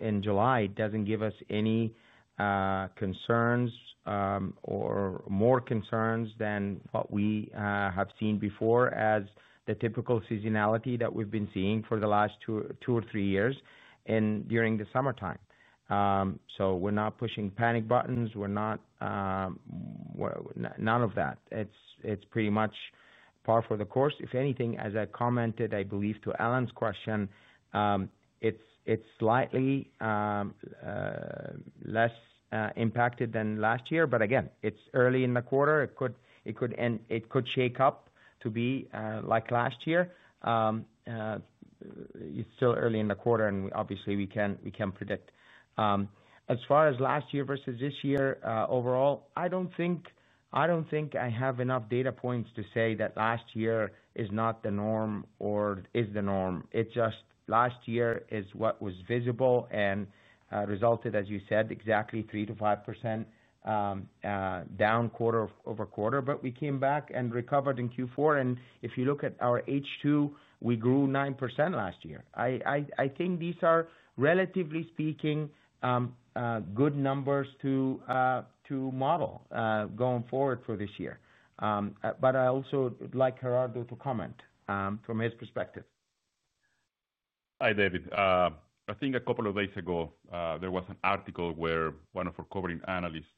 in July doesn't give us any concerns or more concerns than what we have seen before as the typical seasonality that we've been seeing for the last two or three years and during the summertime. So we're not pushing panic buttons. We're not none of that. It's pretty much par for the course. If anything, as I commented, I believe, to Alan's question, it's slightly less impacted than last year. But again, it's early in the quarter. It could shake up to be like last year. It's still early in the quarter and obviously we can predict. As far as last year versus this year overall, I don't think I have enough data points to say that last year is not the norm or is the norm. It's just last year is what was visible and resulted, as you said, exactly 3% to 5% down quarter over quarter, but we came back and recovered in Q4. And if you look at our H2, we grew 9% last year. I think these are relatively speaking good numbers to model going forward for this year. But I also would like Gerardo to comment from his perspective. Hi, David. I think a couple of days ago, there was an article where one of our covering analysts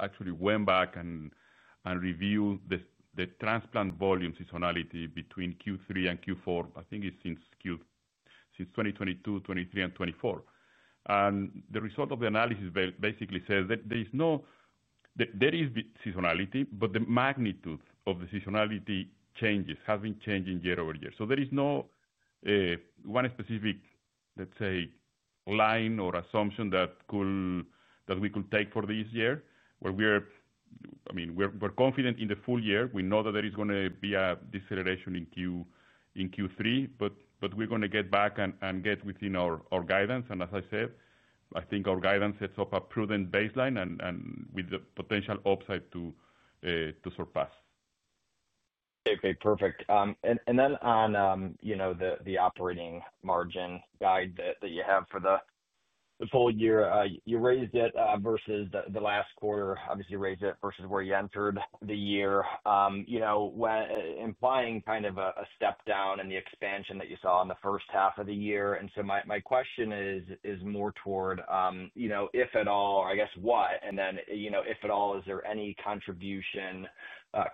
actually went back and reviewed the transplant volume seasonality between Q3 and Q4. I think it's since 2022, 2023 and 2024. And the result of the analysis basically says that there is no there is seasonality, but the magnitude of the seasonality changes, having changing year over year. So there is no one specific, let's say, line or assumption that we could take for this year. We're confident in the full year. We know that there is going to be a deceleration in Q3, but we're going to get back and get within our guidance. And as I said, I think our guidance sets up a prudent baseline and with the potential upside to surpass. Okay. Perfect. And then on the operating margin guide that you have for the full year, you raised it versus the last quarter, obviously, you raised it versus where you entered the year, implying kind of a step expansion that you saw in the first half of the year. And so my question is more toward, if at all, I guess, what? And then if at all, is there any contribution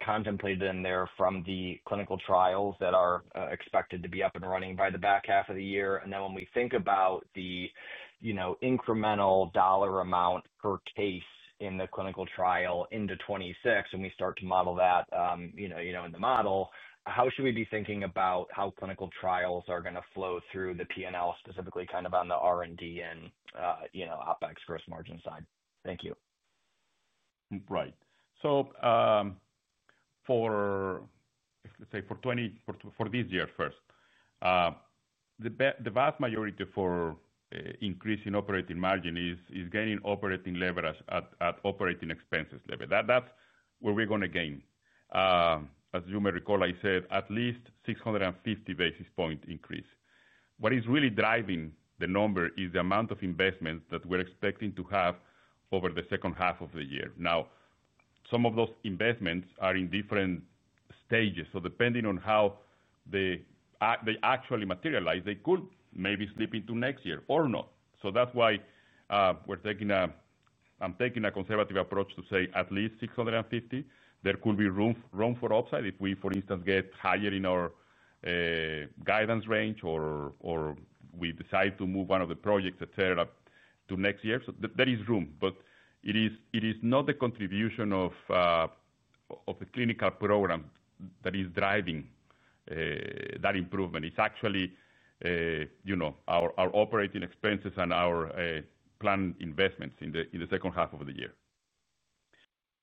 contemplated in there from the clinical trials that are expected to be up and running by the back half of the year? And then when we think about the incremental dollar amount per case in the clinical trial into 'twenty six and we start to model that in the model, how should we be thinking about how clinical trials are going to flow through the P and L, specifically kind of on the R and D and OpEx gross margin side? Thank you. Right. So for let's say for 2020 for this year first, vast majority for increasing operating margin is gaining operating leverage at operating expenses level. That's where we're going to gain. As you may recall, I said at least six fifty basis point increase. What is really driving the number is the amount of investments that we're expecting to have over the second half of the year. Now some of those investments are in different stages. So depending on how they actually materialize, they could maybe slip into next year or not. So that's why we're taking a I'm taking a conservative approach to say at least six fifty. There could be room for upside if we, for instance, get higher in our guidance range or we decide to move one of the projects, etcetera, to next year. So there is room. But it is not the contribution of the clinical program that is driving that improvement. It's actually our operating expenses and our planned investments in the second half of the year.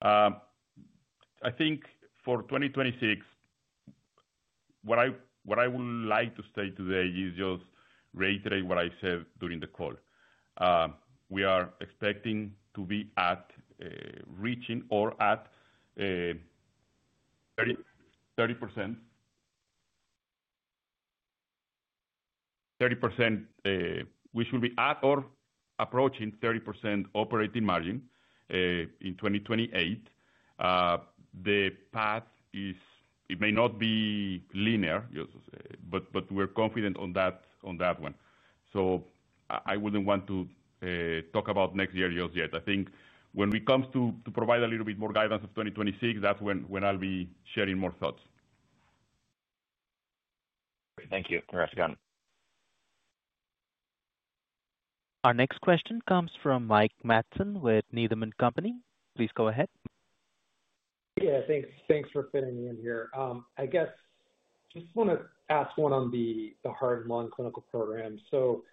I think for 2026, what I would like to say today is just reiterate what I said during the call. We are expecting to be at reaching or at 30%. We should be at or approaching 30% operating margin in 2028. The path is it may not be linear, but we're confident on that one. So I wouldn't want to talk about next year just yet. I think when it comes to provide a little bit more guidance of 2026, that's when I'll be sharing more thoughts. Thank you. Congrats, Scott. Our next question comes from Mike Matson with Needham and Company. Please go ahead. Yes, thanks for fitting me in here. I guess just want to ask one on the heart lung clinical program. So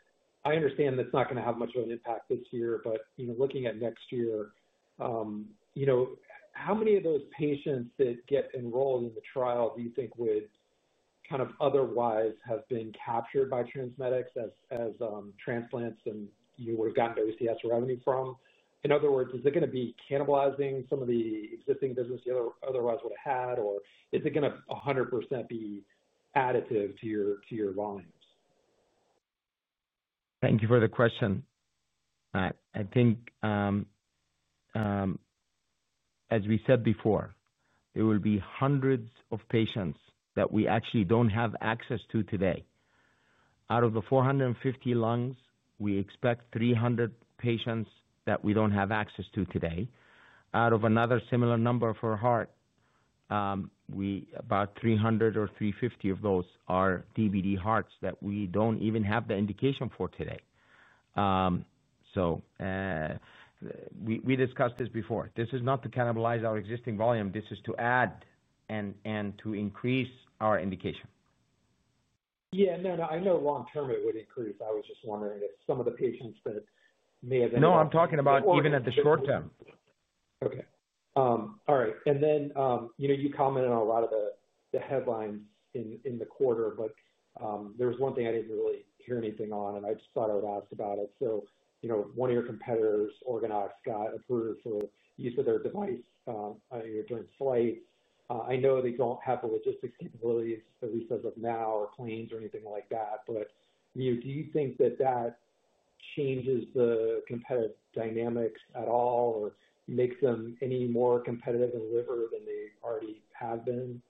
I understand that's not going to have much of an impact this year, but looking at next year, how many of those patients that get enrolled in the trial do you think would kind of otherwise have been captured by TransMedics as transplants and you would have gotten OCS revenue from? In other words, is it going to be cannibalizing some of the existing business you otherwise would have had or is it going to 100% be additive to volumes? Thank you for the question. I think as we said before, there will be hundreds of patients that we actually don't have access to today. Out of the four fifty lungs, we expect 300 patients that we don't have access to today. Out of another similar number for heart, about 300 or three fifty of those are DVD hearts that we don't even have the indication for today. So we discussed this before. This is not to cannibalize our existing volume. This is to add and to increase our indication. Yes. No, no. I know long term it would increase. I was just wondering if some of the patients that may have No, I'm talking about even at the short term. All right. And then you commented on a lot of the headlines in the quarter, but there's one thing I didn't really hear anything on and I just thought I would ask about it. One of your competitors, Organox, got approved for use of their device during flight. I know they don't have the logistics capabilities at least as of now or planes or anything like that. But do you think that that changes the competitive dynamics at all or makes them any more competitive in liver than they already have been?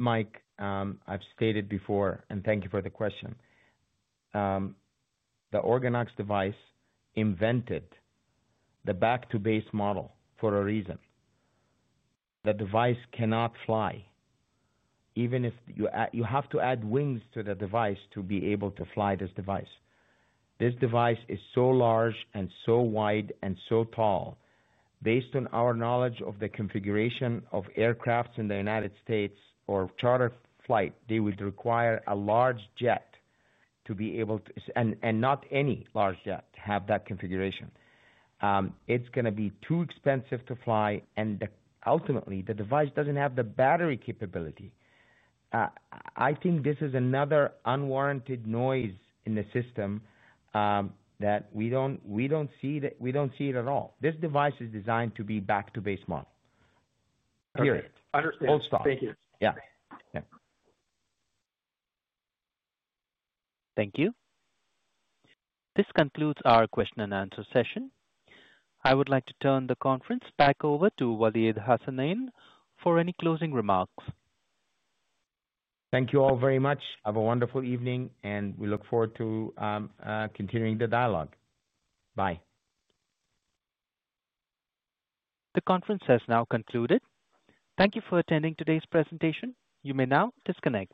Mike, I've stated before and thank you for the question. The Organox device invented the back to base model for a reason. The device cannot fly even if you have to add wings to the device to be able to fly this device. This device is so large and so wide and so tall, based on our knowledge of the configuration of aircrafts in The United States or charter flight, they would require a large jet to be able to and not any large jet have that configuration. It's going to be too expensive to fly and ultimately the device doesn't have the battery capability. I think this is another unwarranted noise in the system that we see it at all. This device is designed to be back to base model. Hear it. You. This concludes our question and answer session. I would like to turn the conference back over to Walid Hassanain for any closing remarks. Thank you all very much. Have a wonderful evening and we look forward to continuing the dialogue. Bye. The conference has now concluded. Thank you for attending today's presentation. You may now disconnect.